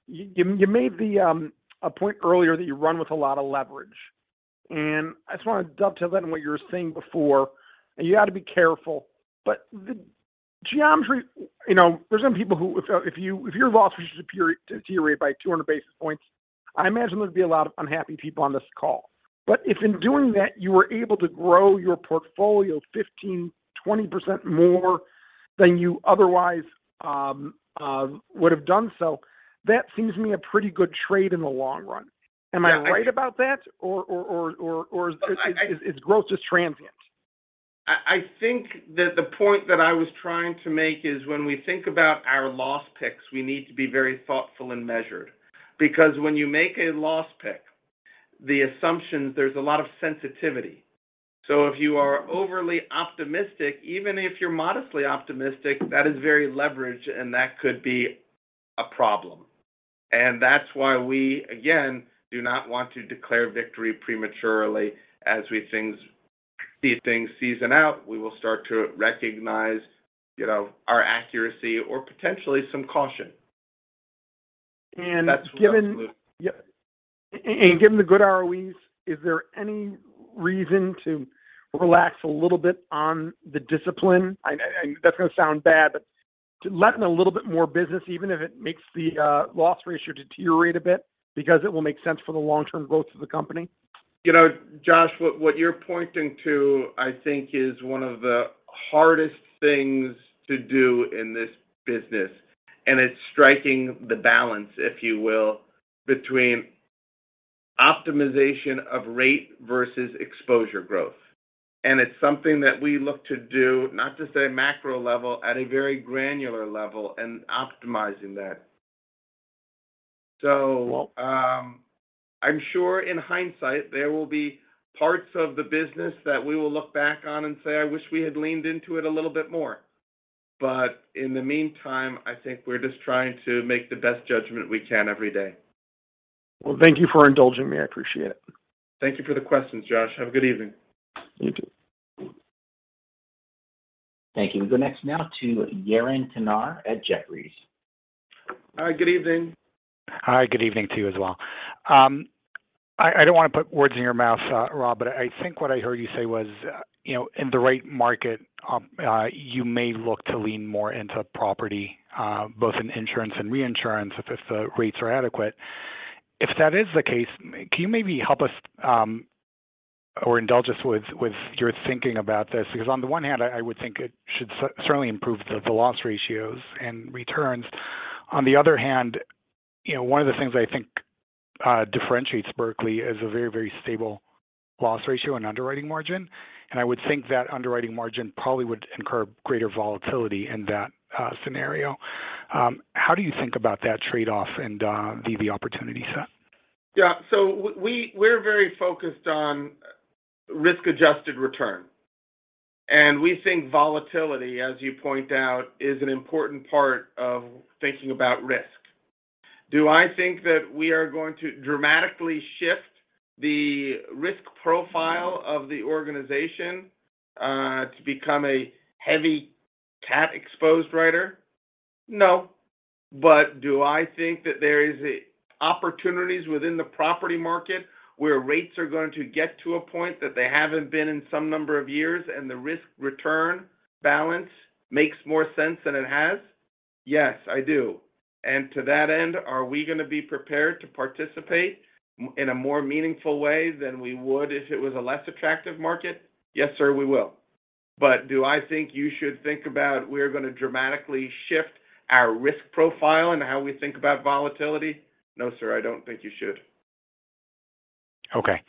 [SPEAKER 8] You made the a point earlier that you run with a lot of leverage. I just wanna dovetail that in what you were saying before, and you gotta be careful. The geometry. You know, there's some people who if your loss ratio just deteriorate by 200 basis points, I imagine there'd be a lot of unhappy people on this call. If in doing that, you were able to grow your portfolio 15%, 20% more than you otherwise would have done so, that seems to me a pretty good trade in the long run. Am I right about that? Or is growth just transient?
[SPEAKER 2] I think that the point that I was trying to make is when we think about our loss picks, we need to be very thoughtful and measured. When you make a loss pick, the assumption, there's a lot of sensitivity. If you are overly optimistic, even if you're modestly optimistic, that is very leveraged, and that could be a problem. That's why we, again, do not want to declare victory prematurely. As these things season out, we will start to recognize, you know, our accuracy or potentially some caution. That's absolutely.
[SPEAKER 8] Given the good ROEs, is there any reason to relax a little bit on the discipline? I That's gonna sound bad, but to let in a little bit more business, even if it makes the loss ratio deteriorate a bit because it will make sense for the long-term growth of the company.
[SPEAKER 2] You know, Josh, what you're pointing to, I think is one of the hardest things to do in this business, and it's striking the balance, if you will, between optimization of rate versus exposure growth. It's something that we look to do, not just at a macro level, at a very granular level and optimizing that.
[SPEAKER 8] Well-
[SPEAKER 2] I'm sure in hindsight, there will be parts of the business that we will look back on and say, "I wish we had leaned into it a little bit more." In the meantime, I think we're just trying to make the best judgment we can every day.
[SPEAKER 8] Thank you for indulging me. I appreciate it.
[SPEAKER 2] Thank you for the questions, Josh. Have a good evening.
[SPEAKER 8] You too.
[SPEAKER 1] Thank you. We go next now to Yaron Kinar at Jefferies.
[SPEAKER 2] All right. Good evening.
[SPEAKER 10] Hi, good evening to you as well. I don't want to put words in your mouth, Rob, but I think what I heard you say was, you know, in the right market, you may look to lean more into property, both in insurance and reinsurance if the rates are adequate. If that is the case, can you maybe help us or indulge us with your thinking about this? Because on the one hand, I would think it should certainly improve the loss ratios and returns. On the other hand, you know, one of the things I think differentiates Berkley is a very, very stable loss ratio and underwriting margin. I would think that underwriting margin probably would incur greater volatility in that scenario. How do you think about that trade-off and the opportunity set?
[SPEAKER 2] We're very focused on risk-adjusted return. We think volatility, as you point out, is an important part of thinking about risk. Do I think that we are going to dramatically shift the risk profile of the organization to become a heavy cat-exposed writer? No. Do I think that there is opportunities within the property market where rates are going to get to a point that they haven't been in some number of years and the risk-return balance makes more sense than it has? Yes, I do. To that end, are we going to be prepared to participate in a more meaningful way than we would if it was a less attractive market? Yes, sir, we will. Do I think you should think about we're going to dramatically shift our risk profile and how we think about volatility? No, sir, I don't think you should.
[SPEAKER 10] Okay.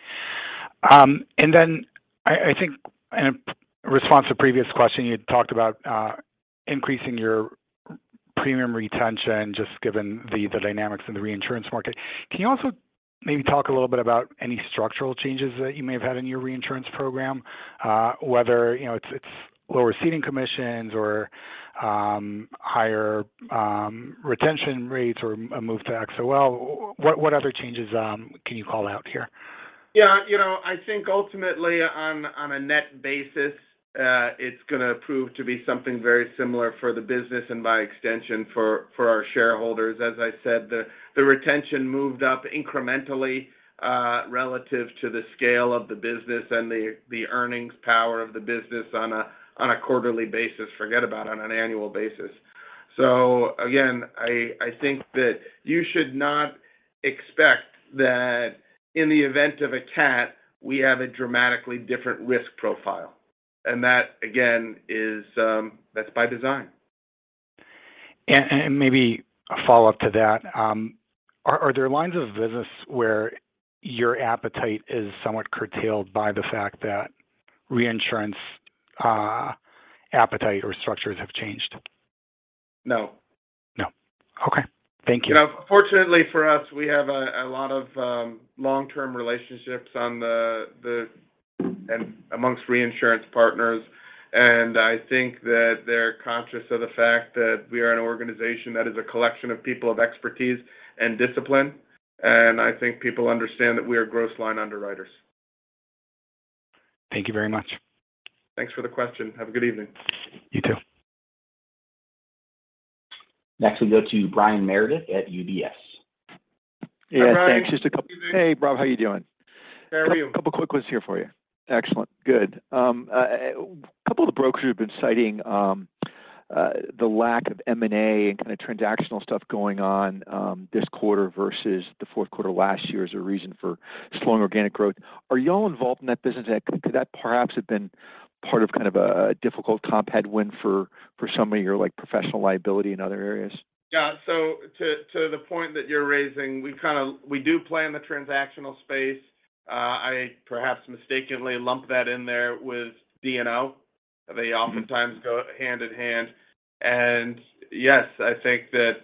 [SPEAKER 10] I think in response to previous question, you talked about increasing your premium retention just given the dynamics in the reinsurance market. Can you also maybe talk a little bit about any structural changes that you may have had in your reinsurance program, whether, you know, it's lower ceding commissions or higher retention rates or a move to XOL? What other changes can you call out here?
[SPEAKER 2] Yeah. You know, I think ultimately on a net basis, it's gonna prove to be something very similar for the business and by extension for our shareholders. As I said, the retention moved up incrementally, relative to the scale of the business and the earnings power of the business on a, on a quarterly basis, forget about on an annual basis. Again, I think that you should not expect that in the event of a CAT, we have a dramatically different risk profile. That, again, is, that's by design.
[SPEAKER 10] Maybe a follow-up to that. Are there lines of business where your appetite is somewhat curtailed by the fact that reinsurance appetite or structures have changed?
[SPEAKER 2] No.
[SPEAKER 10] No. Thank you.
[SPEAKER 2] You know, fortunately for us, we have a lot of long-term relationships amongst reinsurance partners. I think that they're conscious of the fact that we are an organization that is a collection of people of expertise and discipline. I think people understand that we are gross line underwriters.
[SPEAKER 10] Thank you very much.
[SPEAKER 2] Thanks for the question. Have a good evening.
[SPEAKER 10] You too.
[SPEAKER 1] Next, we go to Brian Meredith at UBS.
[SPEAKER 2] Hi, Brian. Good evening.
[SPEAKER 11] Yeah. Thanks. Hey, Rob. How you doing?
[SPEAKER 2] How are you?
[SPEAKER 11] Couple quick ones here for you. Excellent. Good. A couple of the brokers have been citing the lack of M&A and kind of transactional stuff going on this quarter versus the Q4 last year as a reason for slowing organic growth. Are y'all involved in that business? Could that perhaps have been part of kind of a difficult comp headwind for some of your, like, professional liability in other areas?
[SPEAKER 2] Yeah. To the point that you're raising, we've kind of. We do play in the transactional space. I perhaps mistakenly lumped that in there with D&O. They oftentimes go hand-in-hand. Yes, I think that,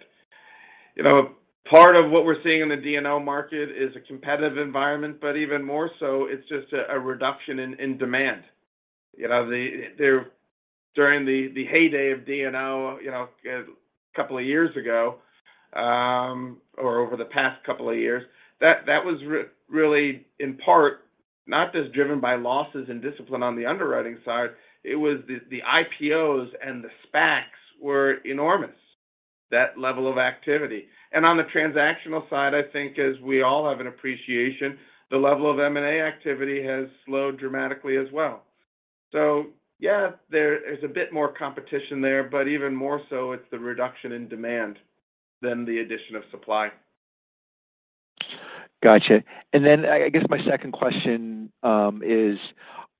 [SPEAKER 2] you know, part of what we're seeing in the D&O market is a competitive environment, but even more so it's just a reduction in demand. You know, the heyday of D&O, you know, couple of years ago, or over the past couple of years, that was really in part not just driven by losses and discipline on the underwriting side. It was the IPOs and the SPACs were enormous, that level of activity. On the transactional side, I think as we all have an appreciation, the level of M&A activity has slowed dramatically as well. Yeah, there is a bit more competition there, but even more so it's the reduction in demand than the addition of supply.
[SPEAKER 11] Gotcha. I guess my second question, is,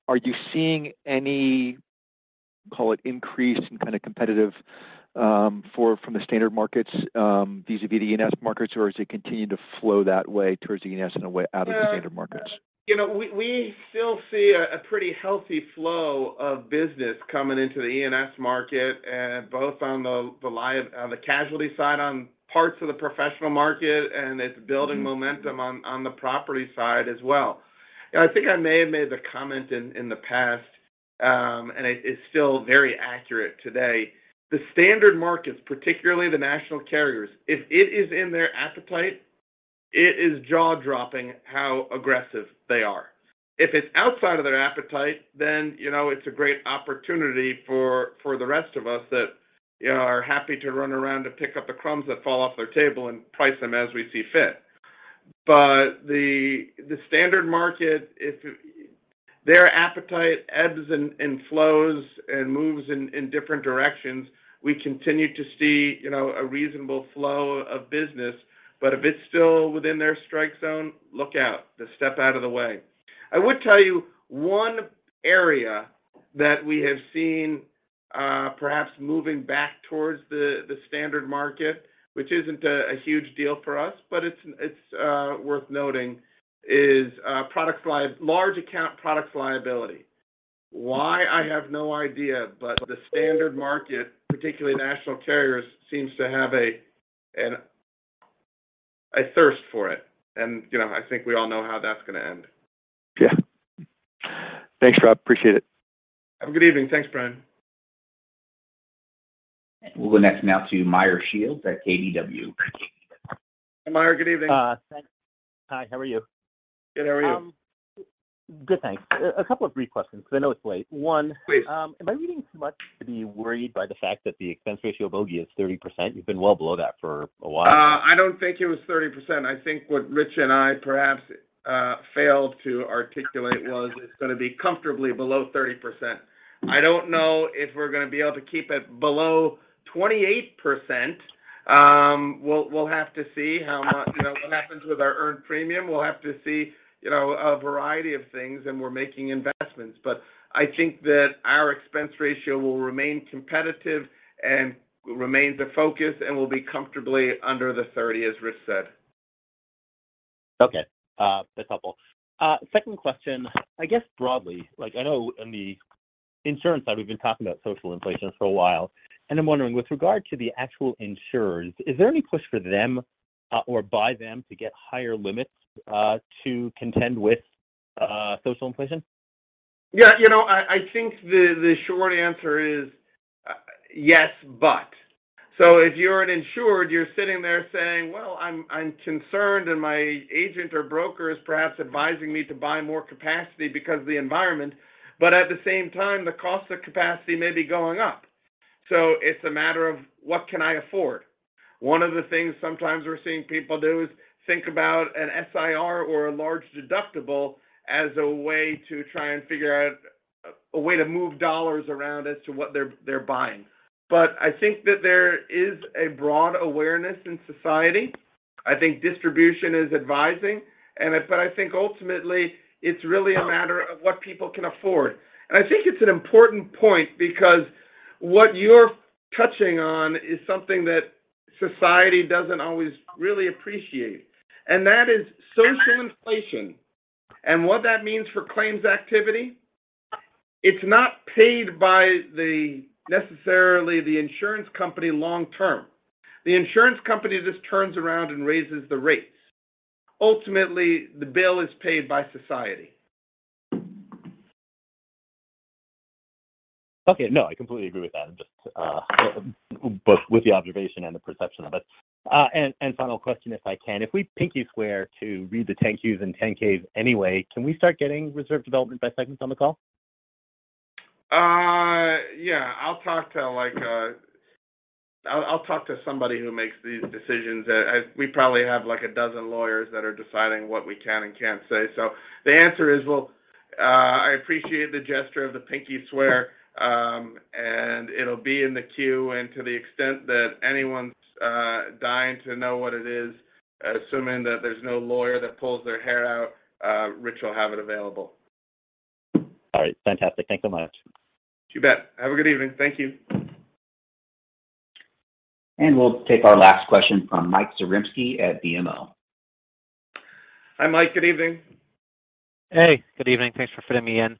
[SPEAKER 11] are you seeing any, call it increase in kind of competitive, for from the standard markets, vis-a-vis the E&S markets, or does it continue to flow that way towards the E&S in a way out of the standard markets?
[SPEAKER 2] You know, we still see a pretty healthy flow of business coming into the E&S market, both on the casualty side on parts of the professional market, and it's building momentum on the property side as well. You know, I think I may have made the comment in the past, and it is still very accurate today. The standard markets, particularly the national carriers, if it is in their appetite, it is jaw-dropping how aggressive they are. If it's outside of their appetite, you know, it's a great opportunity for the rest of us that, you know, are happy to run around to pick up the crumbs that fall off their table and price them as we see fit. The standard market, if their appetite ebbs and flows and moves in different directions, we continue to see, you know, a reasonable flow of business. If it's still within their strike zone, look out, just step out of the way. I would tell you one area that we have seen, perhaps moving back towards the standard market, which isn't a huge deal for us, but it's worth noting, is large account products liability. Why? I have no idea. The standard market, particularly national carriers, seems to have a thirst for it. You know, I think we all know how that's going to end.
[SPEAKER 11] Yeah. Thanks, Rob. Appreciate it.
[SPEAKER 2] Have a good evening. Thanks, Brian.
[SPEAKER 1] We'll go next now to Meyer Shields at KBW.
[SPEAKER 2] Hi, Meyer. Good evening.
[SPEAKER 12] Thanks. Hi, how are you?
[SPEAKER 2] Good. How are you?
[SPEAKER 12] Good, thanks. A couple of brief questions because I know it's late. One-
[SPEAKER 2] Please.
[SPEAKER 12] Am I reading too much to be worried by the fact that the expense ratio bogey is 30%? You've been well below that for a while.
[SPEAKER 2] I don't think it was 30%. I think what Rich and I perhaps failed to articulate was it's going to be comfortably below 30%. I don't know if we're going to be able to keep it below 28%. We'll have to see how you know, what happens with our earned premium. We'll have to see, you know, a variety of things, and we're making investments. I think that our expense ratio will remain competitive and remains a focus and will be comfortably under the 30, as Rich said.
[SPEAKER 12] Okay. That's helpful. Second question, I guess broadly, like I know on the insurance side, we've been talking about social inflation for a while. I'm wondering with regard to the actual insurers, is there any push for them, or by them to get higher limits, to contend with, social inflation?
[SPEAKER 2] Yeah. You know, I think the short answer is, yes, but. If you're an insurer, you're sitting there saying, "Well, I'm concerned, and my agent or broker is perhaps advising me to buy more capacity because of the environment." At the same time, the cost of capacity may be going up. It's a matter of what can I afford? One of the things sometimes we're seeing people do is think about an SIR or a large deductible as a way to try and figure out a way to move dollars around as to what they're buying. I think that there is a broad awareness in society. I think distribution is advising, and I think ultimately it's really a matter of what people can afford. I think it's an important point because what you're touching on is something that society doesn't always really appreciate, and that is social inflation and what that means for claims activity. It's not paid necessarily the insurance company long term. The insurance company just turns around and raises the rates. Ultimately, the bill is paid by society.
[SPEAKER 12] Okay. No, I completely agree with that. Just, both with the observation and the perception of it. Final question if I can, if we pinky swear to read the 10-Qs and 10-Ks anyway, can we start getting reserve development by segments on the call?
[SPEAKER 2] Yeah. I'll talk to like... I'll talk to somebody who makes these decisions. We probably have like a 12 lawyers that are deciding what we can and can't say. The answer is, well, I appreciate the gesture of the pinky swear, and it'll be in the queue. To the extent that anyone's dying to know what it is, assuming that there's no lawyer that pulls their hair out, Rich will have it available.
[SPEAKER 12] All right. Fantastic. Thank you very much.
[SPEAKER 2] You bet. Have a good evening. Thank you.
[SPEAKER 1] We'll take our last question from Michael Zaremski at BMO.
[SPEAKER 2] Hi, Mike. Good evening.
[SPEAKER 13] Hey, good evening. Thanks for fitting me in.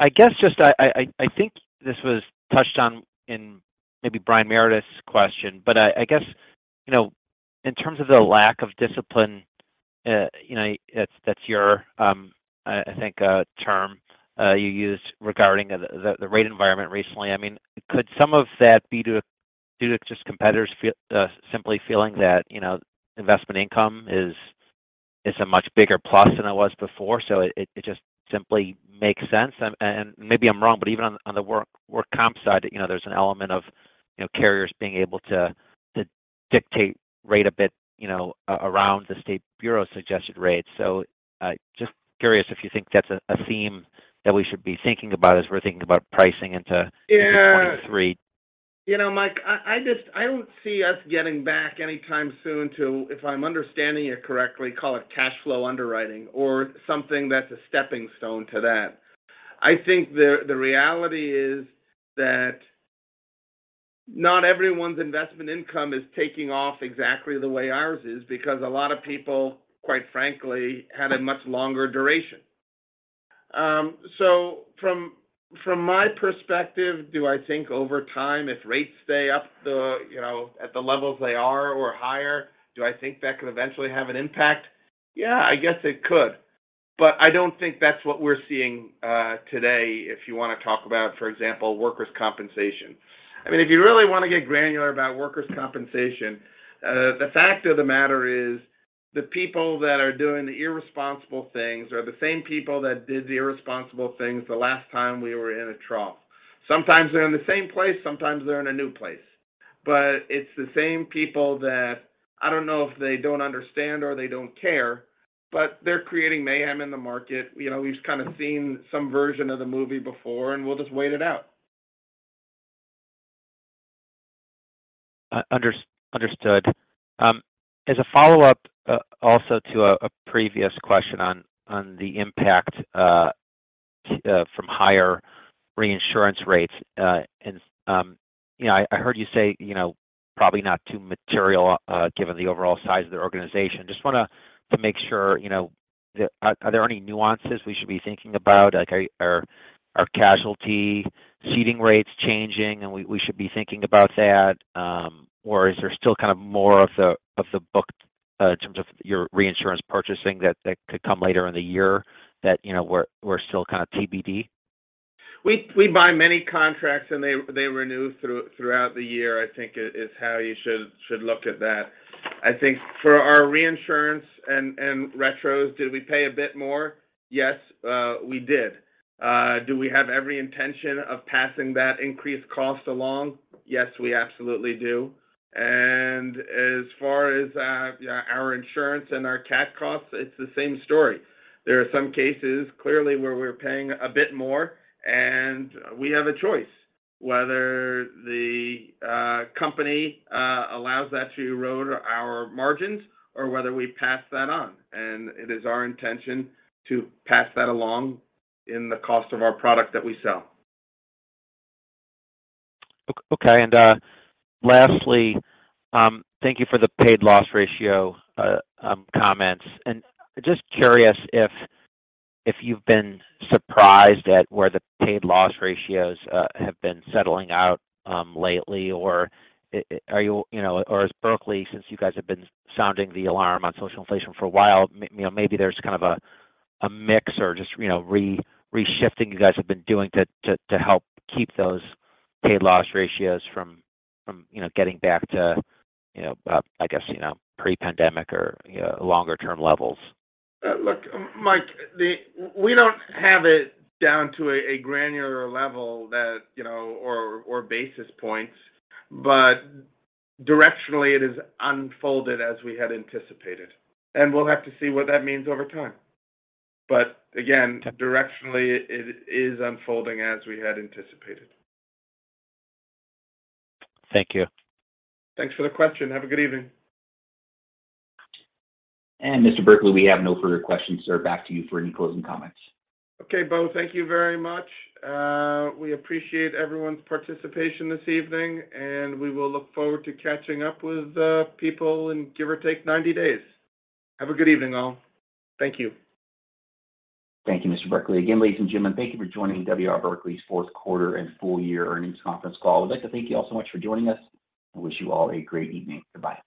[SPEAKER 13] I guess just I think this was touched on in maybe Brian Meredith's question, but I guess, you know, in terms of the lack of discipline, you know, that's your, I think, term you used regarding the rate environment recently. I mean, could some of that be due to just competitors simply feeling that, you know, investment income is a much bigger plus than it was before? It just simply makes sense. Maybe I'm wrong, but even on the work comp side, you know, there's an element of, you know, carriers being able to dictate rate a bit, you know, around the state bureau suggested rates. just curious if you think that's a theme that we should be thinking about as we're thinking about pricing into-
[SPEAKER 2] Yeah
[SPEAKER 13] 2023.
[SPEAKER 2] You know, Mike, I just I don't see us getting back anytime soon to, if I'm understanding it correctly, call it cash flow underwriting or something that's a stepping stone to that. I think the reality is that not everyone's investment income is taking off exactly the way ours is because a lot of people, quite frankly, had a much longer duration. From my perspective, do I think over time, if rates stay up, you know, at the levels they are or higher, do I think that could eventually have an impact? Yeah, I guess it could, but I don't think that's what we're seeing today if you want to talk about, for example, workers' compensation. I mean, if you really want to get granular about workers' compensation, the fact of the matter is the people that are doing the irresponsible things are the same people that did the irresponsible things the last time we were in a trough. Sometimes they're in the same place, sometimes they're in a new place. It's the same people that I don't know if they don't understand or they don't care, but they're creating mayhem in the market. You know, we've kind of seen some version of the movie before, and we'll just wait it out.
[SPEAKER 13] Understood. As a follow-up, also to a previous question on the impact from higher reinsurance rates. You know, I heard you say, you know, probably not too material, given the overall size of the organization. Just want to make sure, you know, are there any nuances we should be thinking about? Like, are casualty ceding rates changing, and we should be thinking about that? Is there still kind of more of the book, in terms of your reinsurance purchasing that could come later in the year that, you know, we're still kind of TBD?
[SPEAKER 2] We buy many contracts, they renew throughout the year, I think is how you should look at that. I think for our reinsurance and retros, did we pay a bit more? Yes, we did. Do we have every intention of passing that increased cost along? Yes, we absolutely do. As far as our insurance and our CAT costs, it's the same story. There are some cases clearly where we're paying a bit more, and we have a choice whether the company allows that to erode our margins or whether we pass that on. It is our intention to pass that along in the cost of our product that we sell.
[SPEAKER 13] Okay. Lastly, thank you for the paid loss ratio comments. Just curious if you've been surprised at where the paid loss ratios have been settling out lately, or are you know, or is Berkley, since you guys have been sounding the alarm on social inflation for a while, you know, maybe there's kind of a mix or just, you know, reshifting you guys have been doing to help keep those paid loss ratios from, you know, getting back to, I guess, pre-pandemic or, you know, longer term levels?
[SPEAKER 2] Look, Mike, we don't have it down to a granular level that, you know, or basis points. Directionally, it is unfolded as we had anticipated. We'll have to see what that means over time. Again, directionally, it is unfolding as we had anticipated.
[SPEAKER 13] Thank you.
[SPEAKER 2] Thanks for the question. Have a good evening.
[SPEAKER 1] Mr. Berkley, we have no further questions, sir. Back to you for any closing comments.
[SPEAKER 2] Okay, Bo, thank you very much. We appreciate everyone's participation this evening, and we will look forward to catching up with, people in give or take 90 days. Have a good evening, all. Thank you.
[SPEAKER 1] Thank you, Mr. Berkley. Again, ladies and gentlemen, thank you for joining W.R. Berkley's Q4 and full year earnings conference call. I'd like to thank you all so much for joining us and wish you all a great evening. Goodbye.